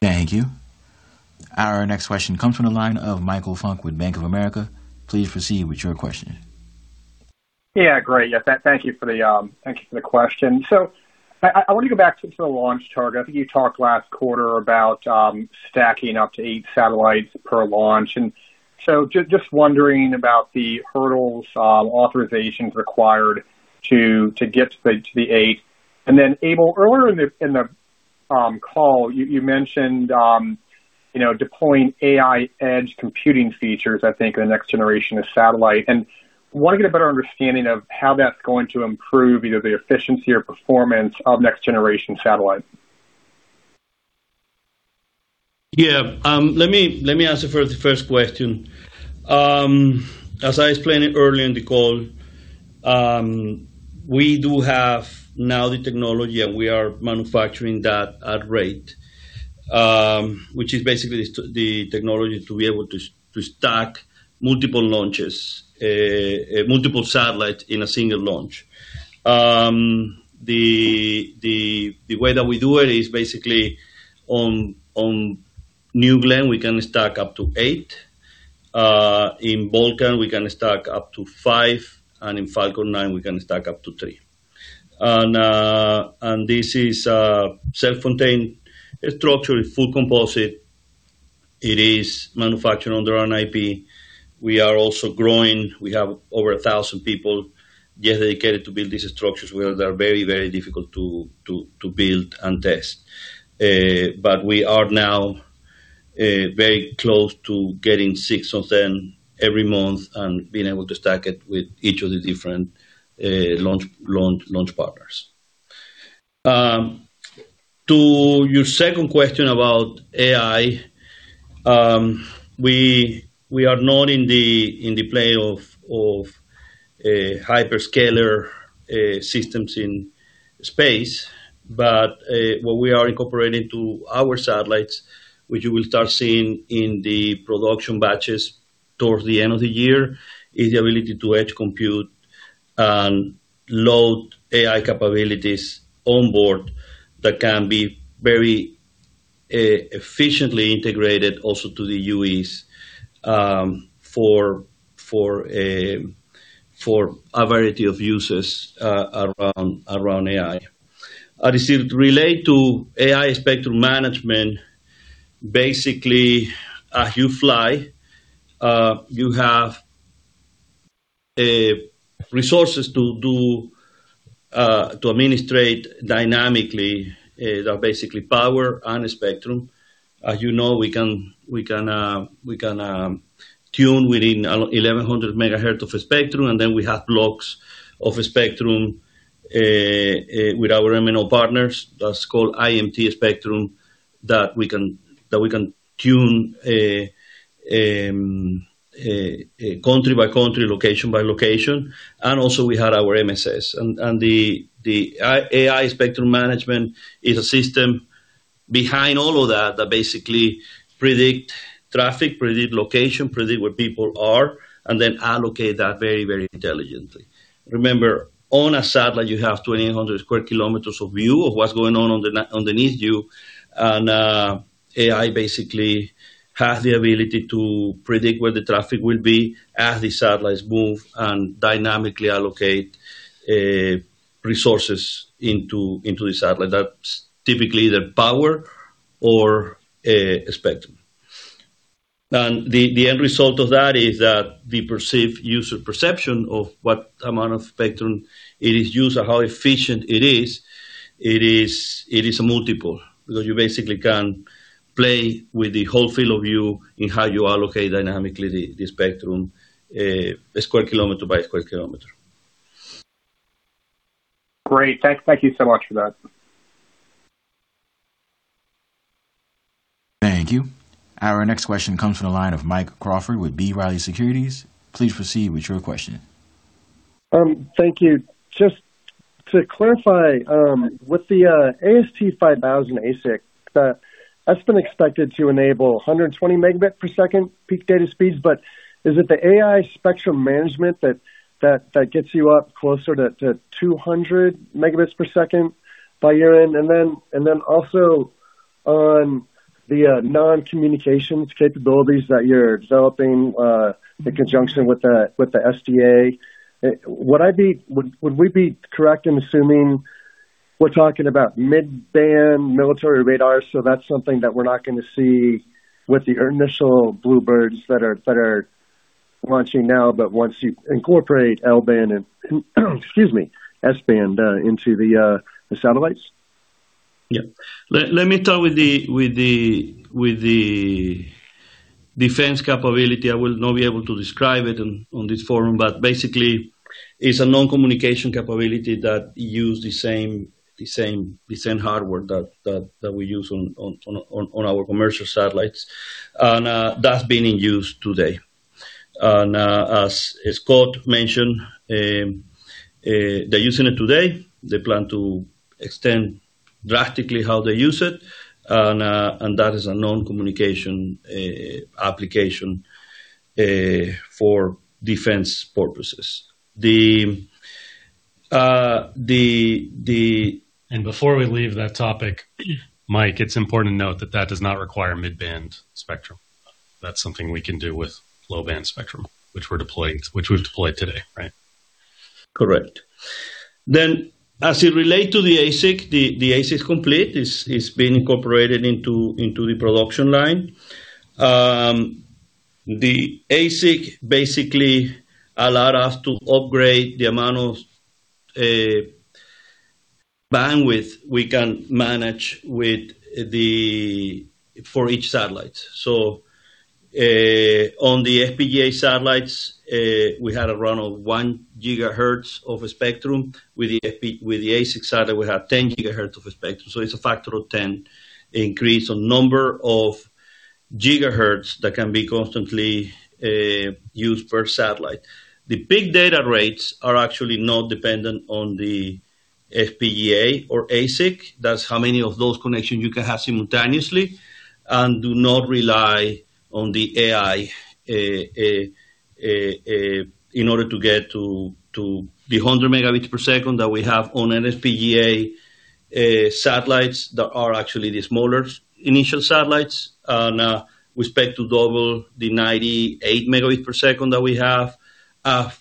Thank you. Our next question comes from the line of Michael Funk with Bank of America. Please proceed with your question. Yeah, great. Yeah. Thank you for the question. I want to go back to the launch target. I think you talked last quarter about stacking up to eight satellites per launch. Just wondering about the hurdles, authorizations required to get to the eight. Abel, earlier in the call, you mentioned, you know, deploying AI edge computing features, I think, in the next generation of satellite. Want to get a better understanding of how that's going to improve either the efficiency or performance of next generation satellites. Yeah. Let me answer first the first question. As I explained it earlier in the call, we do have now the technology, and we are manufacturing that at rate, which is basically the technology to be able to stack multiple launches, multiple satellites in a single launch. The way that we do it is basically on New Glenn, we can stack up to eight. In Vulcan, we can stack up to five, and in Falcon 9, we can stack up to three. This is a self-contained structure, full composite. It is manufactured under an IP. We are also growing. We have over 1,000 people dedicated to build these structures where they are very difficult to build and test. We are now very close to getting six of them every month and being able to stack it with each of the different launch partners. What we are incorporating to our satellites, which you will start seeing in the production batches towards the end of the year, is the ability to edge compute and load AI capabilities on board that can be very efficiently integrated also to the UEs for a variety of uses around AI. As it relate to AI spectrum management, basically, as you fly, you have resources to do to administrate dynamically basically power and spectrum. As you know, we can tune within 1,100 MHz of a spectrum, and then we have blocks of a spectrum with our MNO partners, that's called IMT spectrum, that we can tune country by country, location by location. Also we had our MSS. The AI spectrum management is a system behind all of that basically predict traffic, predict location, predict where people are, and then allocate that very, very intelligently. Remember, on a satellite, you have 2,800 sq km of view of what's going on underneath you. AI basically has the ability to predict where the traffic will be as the satellites move and dynamically allocate resources into the satellite. That's typically the power or spectrum. The end result of that is that the perceived user perception of what amount of spectrum it is used or how efficient it is a multiple because you basically can play with the whole field of view in how you allocate dynamically the spectrum square kilometer by square kilometer. Great. Thank you so much for that. Thank you. Our next question comes from the line of Mike Crawford with B. Riley Securities. Please proceed with your question. Thank you. Just to clarify, with the AST5000 ASIC, that's been expected to enable 120 Mbps peak data speeds. Is it the AI spectrum management that gets you up closer to 200 Mbps by year-end? Also, on the non-communications capabilities that you're developing in conjunction with the SDA, would we be correct in assuming we're talking about mid-band military radar, so that's something that we're not gonna see with your initial BlueBirds that are launching now, but once you incorporate L-band and, excuse me, S-band, into the satellites? Yeah. Let me start with the defense capability. I will not be able to describe it on this forum, but basically it's a non-communication capability that use the same hardware that we use on our commercial satellites. That's been in use today. As Scott mentioned, they're using it today. They plan to extend drastically how they use it and that is a non-communication application for defense purposes. Before we leave that topic, Mike, it's important to note that that does not require mid-band spectrum. That's something we can do with low-band spectrum, which we've deployed today, right? Correct. As it relate to the ASIC, the ASIC complete is being incorporated into the production line. The ASIC basically allow us to upgrade the amount of bandwidth we can manage with the for each satellites. On the FPGA satellites, we had around a 1 GHz of a spectrum. With the ASIC satellite, we have 10 GHz of a spectrum, so it's a factor of 10 increase on number of gigahertz that can be constantly used per satellite. The big data rates are actually not dependent on the FPGA or ASIC. That's how many of those connections you can have simultaneously and do not rely on the AI in order to get to the 100 Mbps that we have on an FPGA satellites that are actually the smaller initial satellites. We expect to double the 98 Mbps that we have.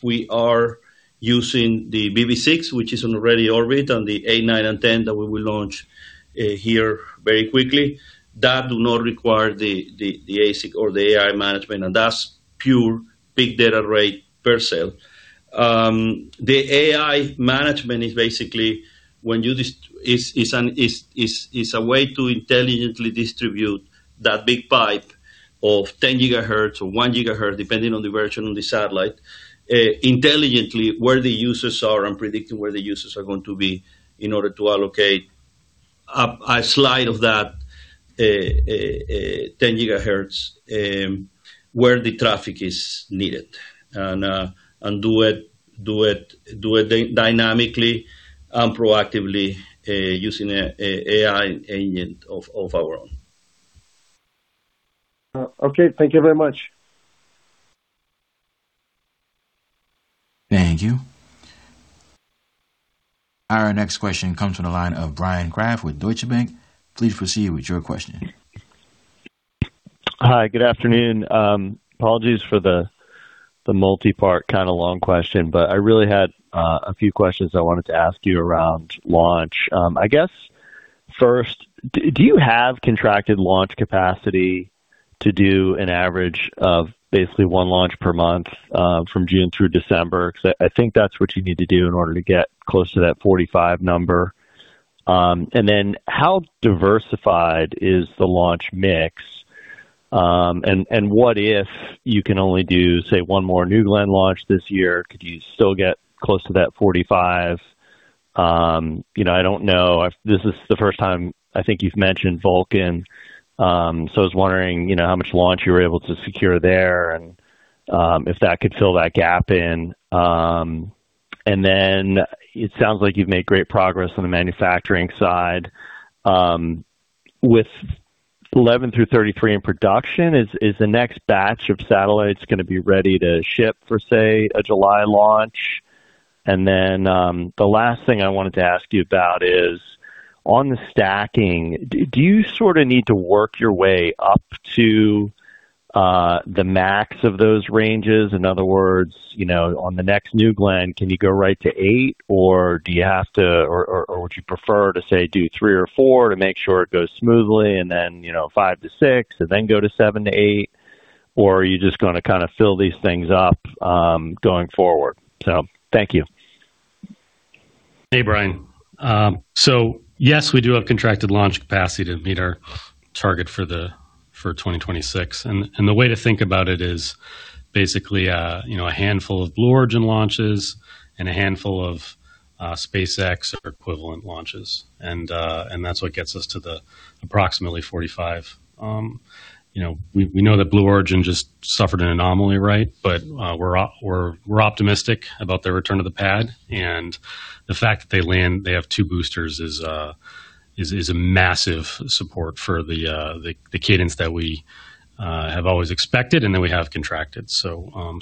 We are using the BB6, which is already in orbit, and the A9 and 10 that we will launch here very quickly. That do not require the ASIC or the AI management, and that's pure big data rate per se. The AI management is basically a way to intelligently distribute that big pipe of 10 GHz or 1 GHz, depending on the version of the satellite, intelligently where the users are and predicting where the users are going to be in order to allocate a slice of that, 10 GHz, where the traffic is needed. Do it dynamically and proactively, using an AI agent of our own. Okay. Thank you very much. Thank you. Our next question comes from the line of Bryan Kraft with Deutsche Bank. Please proceed with your question. Hi, good afternoon. Apologies for the multi-part kind of long question, but I really had a few questions I wanted to ask you around launch. I guess first, do you have contracted launch capacity to do an average of basically one launch per month from June through December? Cause I think that's what you need to do in order to get close to that 45 number. How diversified is the launch mix? What if you can only do, say, one more New Glenn launch this year? Could you still get close to that 45? You know, I don't know if this is the first time I think you've mentioned Vulcan. I was wondering, you know, how much launch you were able to secure there and if that could fill that gap in. It sounds like you've made great progress on the manufacturing side. With 11 through 33 in production, is the next batch of satellites gonna be ready to ship for, say, a July launch? The last thing I wanted to ask you about is on the stacking, do you sort of need to work your way up to the max of those ranges? In other words, you know, on the next New Glenn, can you go right to eight, or do you have to or would you prefer to, say, do three or four to make sure it goes smoothly and then, you know, five to six, and then go to seven to eight? Or are you just gonna kind of fill these things up going forward? Thank you. Hey, Bryan. Yes, we do have contracted launch capacity to meet our target for 2026. The way to think about it is basically, you know, a handful of Blue Origin launches and a handful of SpaceX or equivalent launches. That's what gets us to the approximately 45. You know, we know that Blue Origin just suffered an anomaly, right? We're optimistic about their return to the pad, and the fact that they land, they have two boosters is a massive support for the cadence that we have always expected and that we have contracted.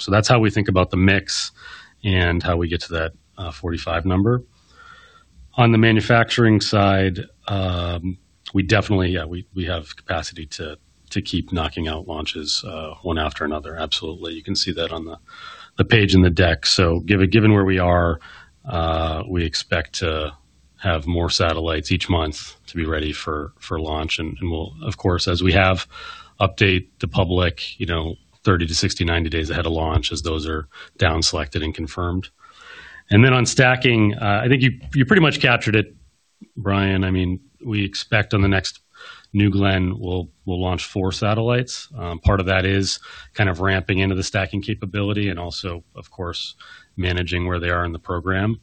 That's how we think about the mix and how we get to that 45 number. On the manufacturing side, we definitely, yeah, we have capacity to keep knocking out launches, one after another. Absolutely. You can see that on the page in the deck. Given where we are, we expect to have more satellites each month to be ready for launch. We'll of course, as we have, update the public, you know, 30 to 60, 90 days ahead of launch as those are down selected and confirmed. On stacking, I think you pretty much captured it, Bryan. I mean, we expect on the next New Glenn, we'll launch four satellites. Part of that is kind of ramping into the stacking capability and also, of course, managing where they are in the program.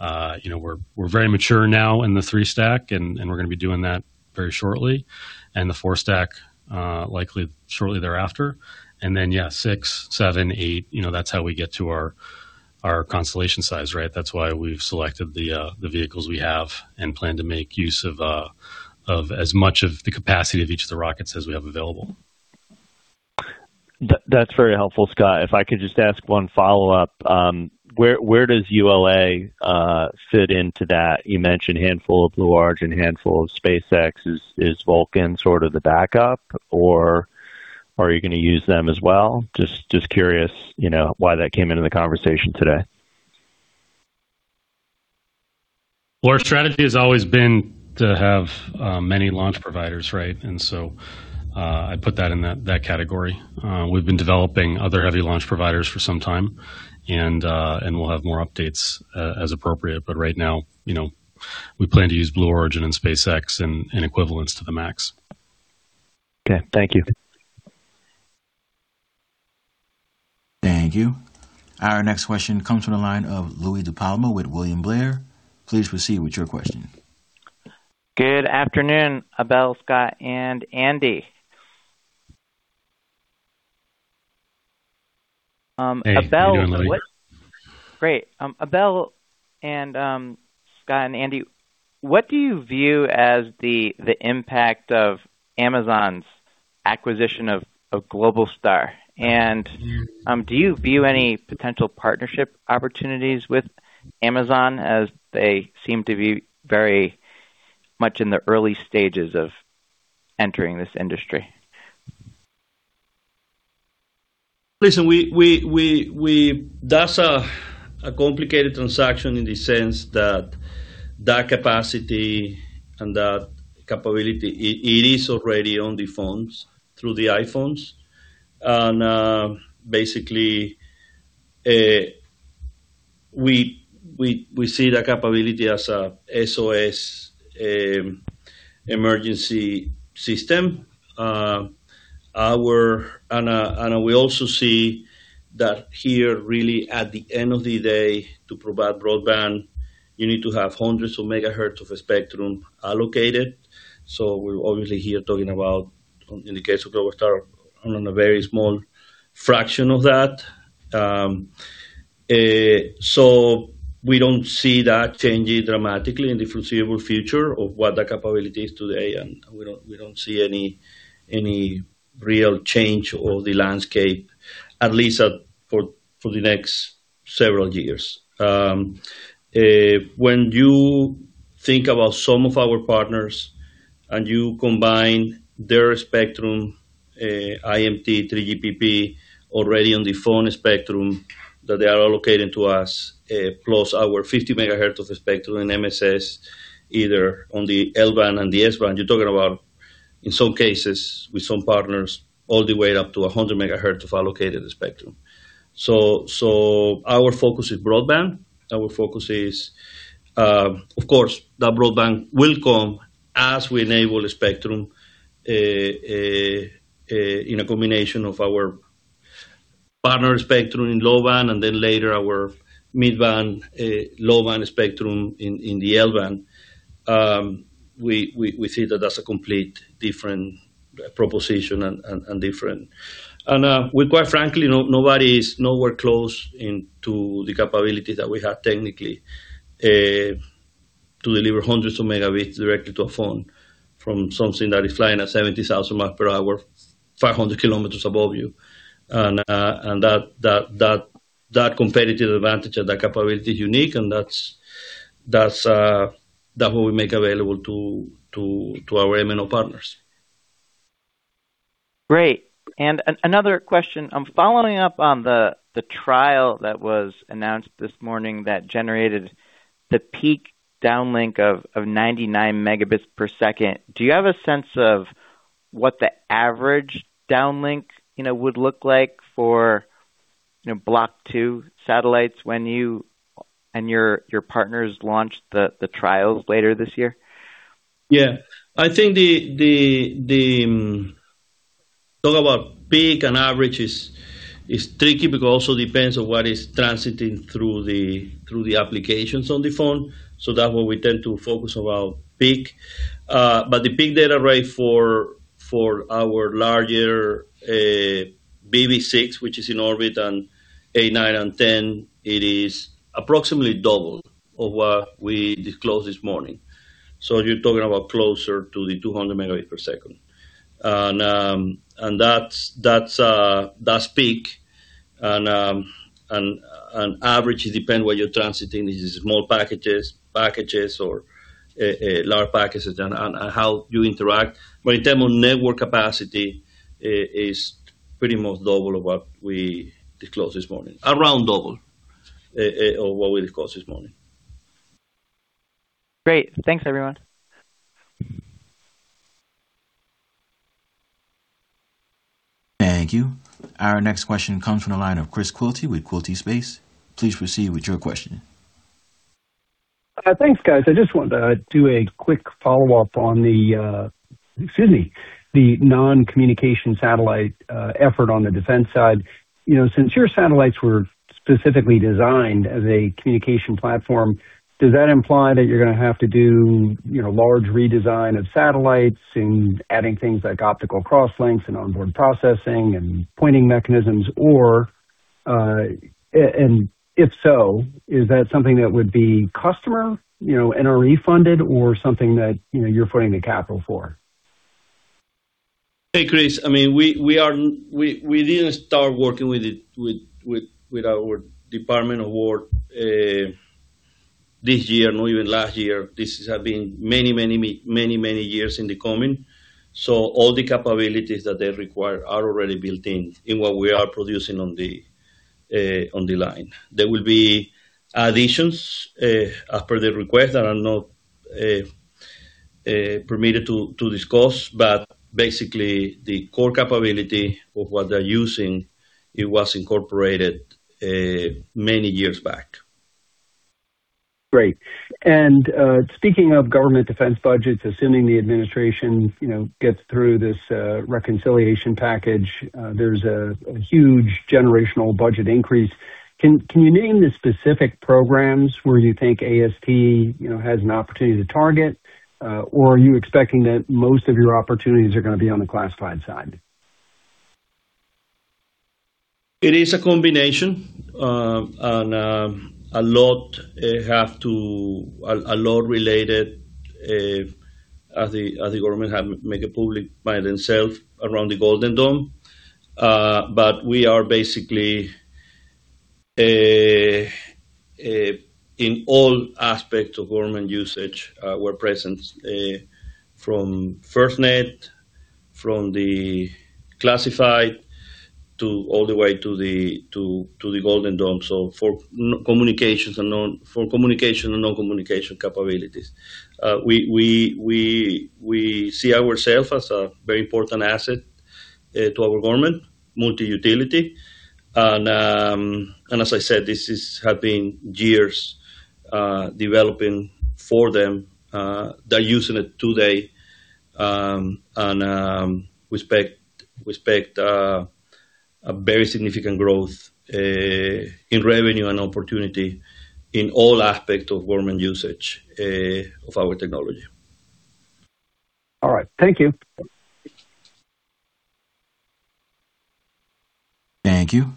You know, we're very mature now in the three-stack and we're gonna be doing that very shortly. The four-stack, likely shortly thereafter. Yeah, six, seven, eight, you know, that's how we get to our constellation size, right? That's why we've selected the vehicles we have and plan to make use of as much of the capacity of each of the rockets as we have available. That's very helpful, Scott. If I could just ask one follow-up. Where does ULA fit into that? You mentioned handful of Blue Origin, handful of SpaceX. Is Vulcan sort of the backup, or are you gonna use them as well? Just curious, you know, why that came into the conversation today. Well, our strategy has always been to have many launch providers, right? I put that in that category. We've been developing other heavy launch providers for some time, and we'll have more updates as appropriate. You know, we plan to use Blue Origin and SpaceX and equivalents to the max. Okay. Thank you. Thank you. Our next question comes from the line of Louie DiPalma with William Blair. Please proceed with your question. Good afternoon, Abel, Scott, and Andy. Abel, Hey. How you doing, Louie? Great. Abel and Scott and Andy, what do you view as the impact of Amazon's acquisition of Globalstar? Do you view any potential partnership opportunities with Amazon as they seem to be very much in the early stages of entering this industry? Listen, that's a complicated transaction in the sense that that capacity and that capability, it is already on the phones through the iPhones. Basically, we see that capability as a SOS emergency system. We also see that here really at the end of the day to provide broadband, you need to have hundreds of megahertz of a spectrum allocated. We're obviously here talking about, in the case of Globalstar, on a very small fraction of that. We don't see that changing dramatically in the foreseeable future of what the capability is today. We don't see any real change of the landscape, at least for the next several years. When you think about some of our partners and you combine their spectrum, IMT, 3GPP already on the phone spectrum that they are allocating to us, plus our 50 MHz of the spectrum in MSS, either on the L-band and the S-band, you're talking about, in some cases with some partners, all the way up to 100 MHz of allocated spectrum. Our focus is broadband. Our focus is, of course, that broadband will come as we enable a spectrum, in a combination of our partner spectrum in low band and then later our mid-band, low-band spectrum in the L-band. We see that that's a complete different proposition and different. We quite frankly, nobody is nowhere close to the capability that we have technically, to deliver hundreds of megabits directly to a phone from something that is flying at 70,000 mph, 500 km above you. That competitive advantage and that capability is unique, and that's that what we make available to our MNO partners. Great. Another question. I'm following up on the trial that was announced this morning that generated the peak downlink of 99 Mbps. Do you have a sense of what the average downlink, you know, would look like, you know, Block 2 satellites when you and your partners launch the trials later this year? Yeah. I think the talk about peak and average is tricky because it also depends on what is transiting through the, through the applications on the phone. That what we tend to focus about peak. The peak data rate for our larger, BB6, which is in orbit, and BlueBird 9 and 10, it is approximately double of what we disclosed this morning. You're talking about closer to the 200 Mbps. That's, that's peak. Average, it depend what you're transiting. Is it small packages or large packages and, and how you interact. In term of network capacity, is pretty much double of what we disclosed this morning. Around double of what we disclosed this morning. Great. Thanks everyone. Thank you. Our next question comes from the line of Chris Quilty with Quilty Space. Please proceed with your question. Thanks, guys. I just wanted to do a quick follow-up on the, excuse me, the non-communication satellite effort on the defense side. You know, since your satellites were specifically designed as a communication platform, does that imply that you're gonna have to do, you know, large redesign of satellites in adding things like optical cross links and onboard processing and pointing mechanisms? If so, is that something that would be customer, you know, NRE funded or something that, you know, you're putting the capital for? Hey, Chris. I mean, we didn't start working with our Department Award this year, not even last year. This has been many years in the coming. All the capabilities that they require are already built in in what we are producing on the line. There will be additions as per the request that I'm not permitted to discuss. Basically, the core capability of what they're using, it was incorporated many years back. Great. Speaking of government defense budgets, assuming the administration, you know, gets through this reconciliation package, there's a huge generational budget increase. Can you name the specific programs where you think AST, you know, has an opportunity to target? Or are you expecting that most of your opportunities are gonna be on the classified side? It is a combination. A lot related as the government have make it public by themselves around the Golden Dome. We are basically in all aspects of government usage, we're present. From FirstNet, from the classified to all the way to the Golden Dome. For communication and non-communication capabilities. We see ourself as a very important asset to our government, multi-utility. As I said, this is have been years developing for them. They're using it today. We expect a very significant growth in revenue and opportunity in all aspects of government usage of our technology. All right. Thank you. Thank you.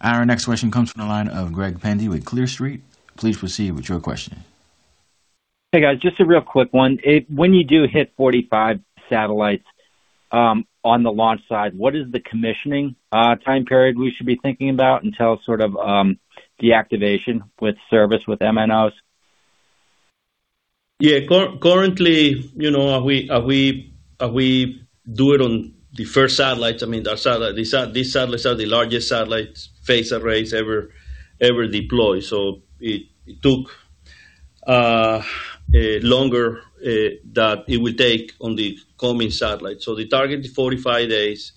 Our next question comes from the line of Greg Pendy with Clear Street. Please proceed with your question. Hey, guys. Just a real quick one. If when you do hit 45 satellites, on the launch side, what is the commissioning time period we should be thinking about until sort of, the activation with service with MNOs? Yeah. Currently, you know, we do it on the first satellites. I mean, our satellite, these satellites are the largest satellites phase arrays ever deployed. It took longer than it would take on the coming satellites. The target is 45 days.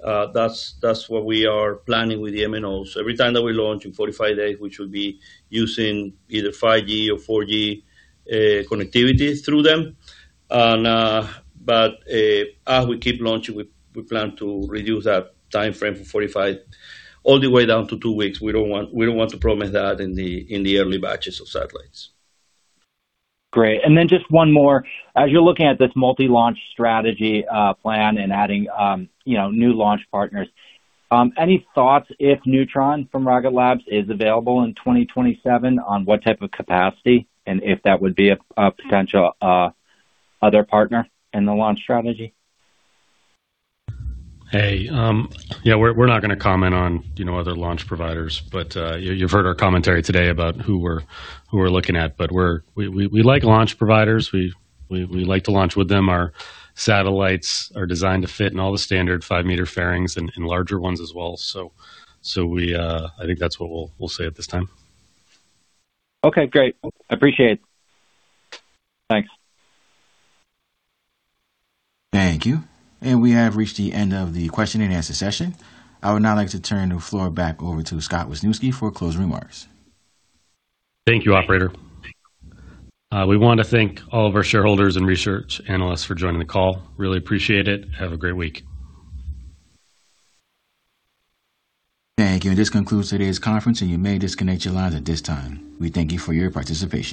That's what we are planning with the MNOs. Every time that we launch in 45 days, we should be using either 5G or 4G connectivity through them. As we keep launching, we plan to reduce that timeframe from 45 all the way down to two weeks. We don't want to promise that in the early batches of satellites. Great. Just one more. As you're looking at this multi-launch strategy, plan and adding new launch partners, any thoughts if Neutron from Rocket Lab is available in 2027 on what type of capacity, and if that would be a potential other partner in the launch strategy? Hey. Yeah, we're not gonna comment on, you know, other launch providers. You've heard our commentary today about who we're looking at. We like launch providers. We like to launch with them. Our satellites are designed to fit in all the standard 5 m fairings and larger ones as well. We, I think that's what we'll say at this time. Okay, great. Appreciate it. Thanks. Thank you. We have reached the end of the question and answer session. I would now like to turn the floor back over to Scott Wisniewski for closing remarks. Thank you, operator. We want to thank all of our shareholders and research analysts for joining the call. Really appreciate it. Have a great week. Thank you. This concludes today's conference, and you may disconnect your lines at this time. We thank you for your participation.